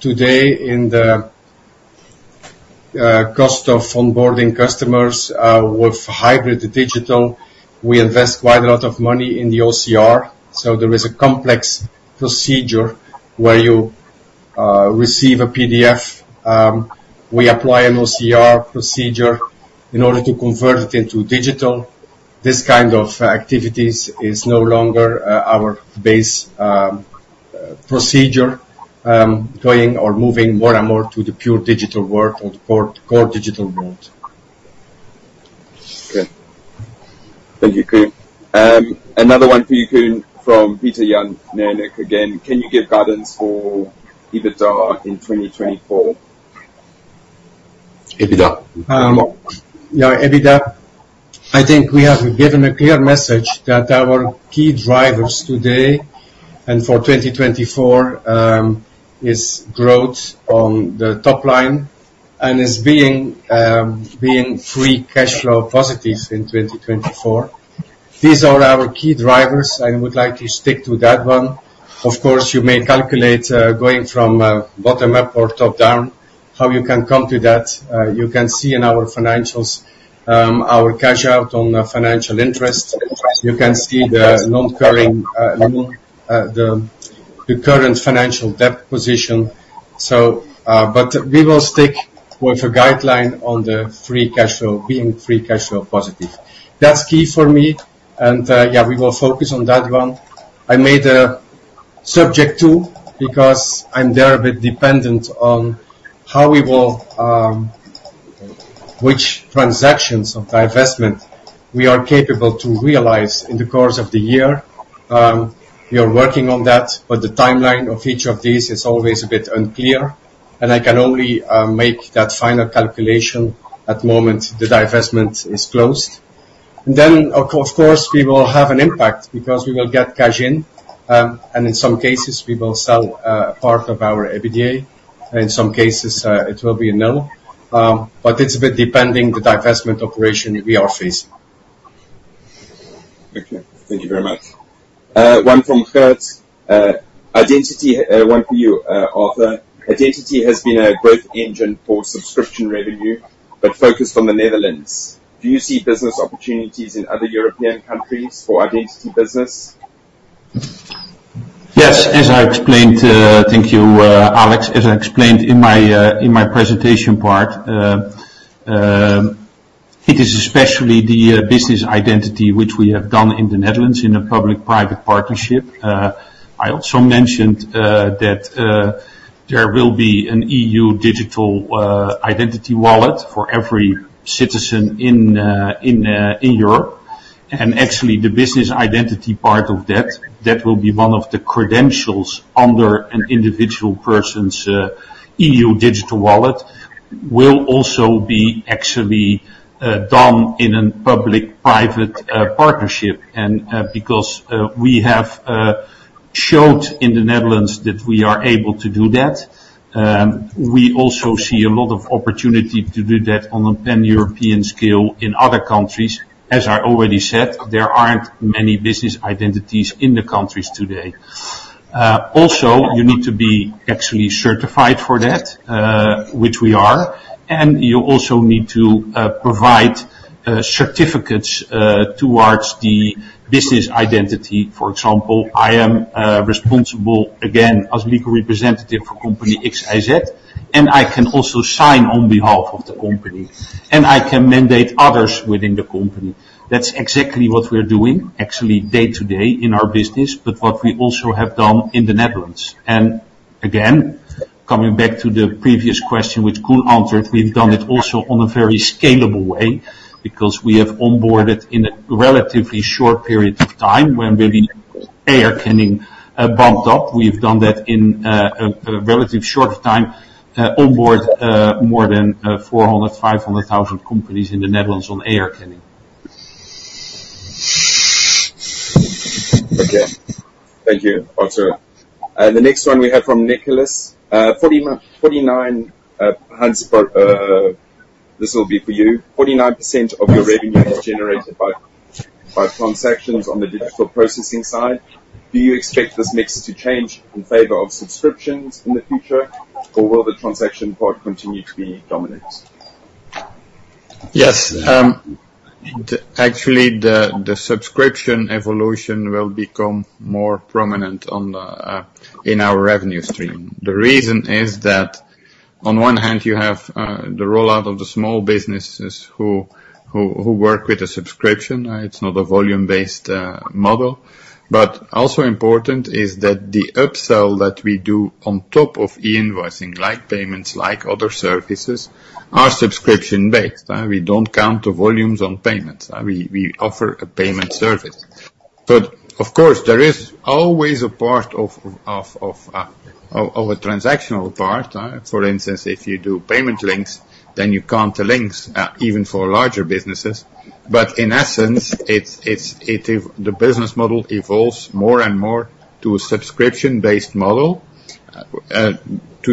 Speaker 5: today, in the cost of onboarding customers, with hybrid digital, we invest quite a lot of money in the OCR, so there is a complex procedure where you receive a PDF. We apply an OCR procedure in order to convert it into digital. This kind of activities is no longer our base procedure, going or moving more and more to the pure digital world or the core, core digital world.
Speaker 1: Okay. Thank you, Koen. Another one for you, Koen, from Pieter-Jan Nerincks again: Can you give guidance for EBITDA in 2024?
Speaker 5: EBITDA. Yeah, EBITDA, I think we have given a clear message that our key drivers today and for 2024 is growth on the top line and is being free cash flow positive in 2024. These are our key drivers, I would like to stick to that one. Of course, you may calculate, going from bottom up or top down, how you can come to that. You can see in our financials our cash out on financial interest. You can see the non-recurring, the current financial debt position. So, but we will stick with a guideline on the free cash flow, being free cash flow positive. That's key for me, and yeah, we will focus on that one. I made a subject to, because I'm there a bit dependent on how we will, which transactions of divestment we are capable to realize in the course of the year. We are working on that, but the timeline of each of these is always a bit unclear, and I can only make that final calculation at the moment the divestment is closed. And then, of course, we will have an impact because we will get cash in, and in some cases, we will sell part of our EBITDA. In some cases, it will be a no, but it's a bit depending the divestment operation we are facing.
Speaker 1: Okay. Thank you very much. One from Kurt. Identity, one for you, Arthur. Identity has been a growth engine for subscription revenue, but focused on the Netherlands. Do you see business opportunities in other European countries for identity business?
Speaker 4: Yes. As I explained, thank you, Alex. As I explained in my presentation part, it is especially the business identity, which we have done in the Netherlands, in a public-private partnership. I also mentioned that there will be an EU Digital Identity Wallet for every citizen in Europe. And actually, the business identity part of that, that will be one of the credentials under an individual person's EU digital wallet, will also be actually done in a public-private partnership. And because we have showed in the Netherlands that we are able to do that, we also see a lot of opportunity to do that on a pan-European scale in other countries. As I already said, there aren't many business identities in the countries today. Also, you need to be actually certified for that, which we are, and you also need to provide certificates towards the business identity. For example, I am responsible, again, as legal representative for Company XYZ, and I can also sign on behalf of the company, and I can mandate others within the company. That's exactly what we're doing, actually, day to day in our business, but what we also have done in the Netherlands. And again, coming back to the previous question, which Koen answered, we've done it also on a very scalable way, because we have onboarded in a relatively short period of time, when really eHerkenning bumped up. We've done that in a relative short time, onboard more than 400-500,000 companies in the Netherlands on eHerkenning.
Speaker 1: Okay. Thank you, Arthur. The next one we have from Nicholas. 49, Hans, this will be for you. 49% of your revenue is generated by transactions on the digital processing side. Do you expect this mix to change in favor of subscriptions in the future, or will the transaction part continue to be dominant?
Speaker 2: Yes, actually, the subscription evolution will become more prominent on the. In our revenue stream. The reason is that, on one hand, you have the rollout of the small businesses who work with a subscription. It's not a volume-based model, but also important is that the upsell that we do on top of e-invoicing, like payments, like other services, are subscription-based. We don't count the volumes on payments. We offer a payment service. But of course, there is always a part of a transactional part, for instance, if you do payment links, then you count the links, even for larger businesses. But in essence, it's the business model evolves more and more to a subscription-based model to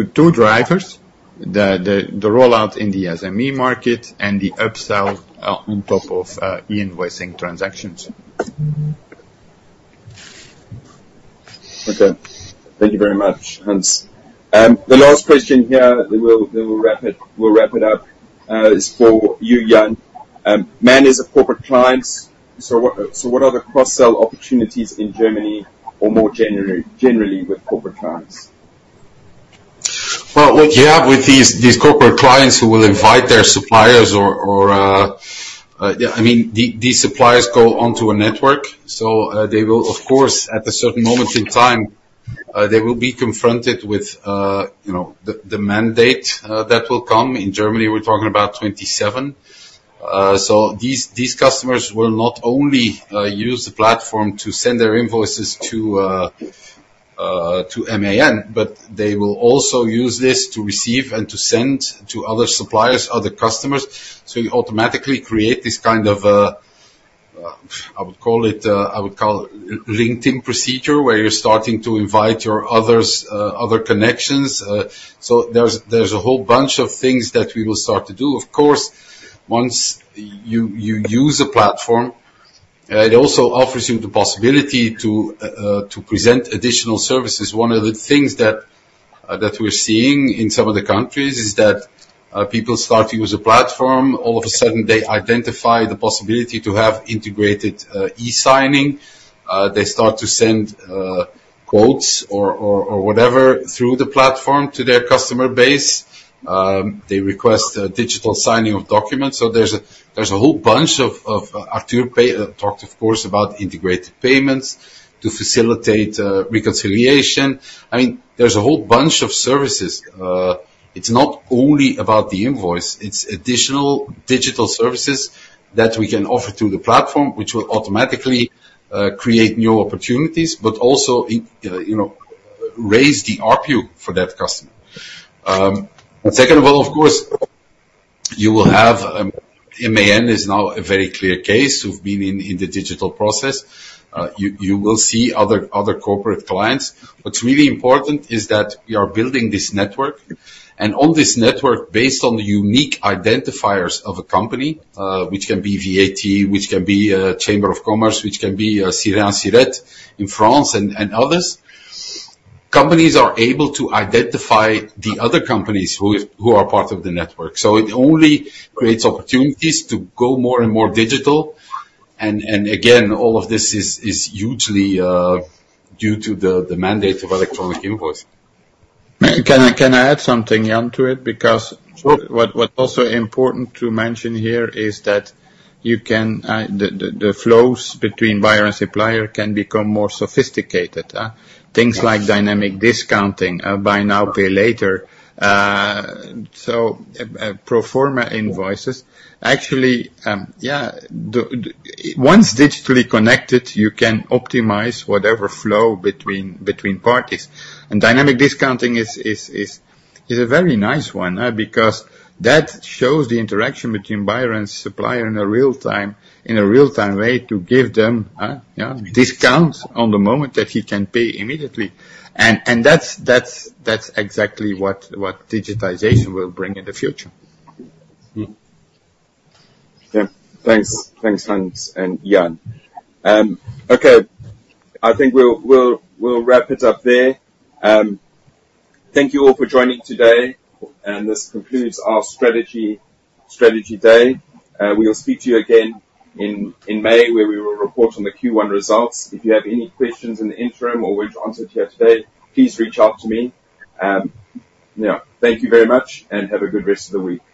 Speaker 2: two drivers: the rollout in the SME market and the upsell on top of e-invoicing transactions.
Speaker 1: Okay. Thank you very much, Hans. The last question here, then we'll wrap it up, is for you, Jan. MAN is a corporate client, so what are the cross-sell opportunities in Germany or more generally with corporate clients?
Speaker 3: Well, what you have with these, these corporate clients who will invite their suppliers or, I mean, these, these suppliers go onto a network, so, they will, of course, at a certain moment in time, they will be confronted with, you know, the, the mandate, that will come. In Germany, we're talking about 2027. So these, these customers will not only, use the platform to send their invoices to, to MAN, but they will also use this to receive and to send to other suppliers, other customers. So you automatically create this kind of a, I would call it, I would call LinkedIn procedure, where you're starting to invite your others, other connections. So there's, there's a whole bunch of things that we will start to do. Of course, once you use a platform, it also offers you the possibility to present additional services. One of the things that we're seeing in some of the countries is that people start to use the platform. All of a sudden, they identify the possibility to have integrated e-signing. They start to send quotes or whatever through the platform to their customer base. They request digital signing of documents. So there's a whole bunch of Arthur Paijens talked, of course, about integrated payments to facilitate reconciliation. I mean, there's a whole bunch of services. It's not only about the invoice, it's additional digital services that we can offer through the platform, which will automatically create new opportunities, but also, you know, raise the RPU for that customer. Second of all, of course, you will have, MAN is now a very clear case, who've been in the digital process. You will see other corporate clients. What's really important is that we are building this network, and on this network, based on the unique identifiers of a company, which can be VAT, which can be a chamber of commerce, which can be a SIREN SIRET in France and others. Companies are able to identify the other companies who are part of the network. So it only creates opportunities to go more and more digital, and again, all of this is hugely due to the mandate of electronic invoice.
Speaker 2: Can I, can I add something, Jan, to it? Because.
Speaker 3: Sure.
Speaker 2: What also important to mention here is that you can, the flows between buyer and supplier can become more sophisticated, things like dynamic discounting, buy now, pay later. So, pro forma invoices, actually, yeah, once digitally connected, you can optimize whatever flow between parties. And dynamic discounting is a very nice one, because that shows the interaction between buyer and supplier in a real time, in a real-time way, to give them, yeah, discounts on the moment that he can pay immediately. And that's exactly what digitization will bring in the future.
Speaker 1: Yeah. Thanks. Thanks, Hans and Jan. Okay, I think we'll wrap it up there. Thank you all for joining today, and this concludes our strategy day. We will speak to you again in May, where we will report on the Q1 results. If you have any questions in the interim or weren't answered here today, please reach out to me. Yeah. Thank you very much, and have a good rest of the week.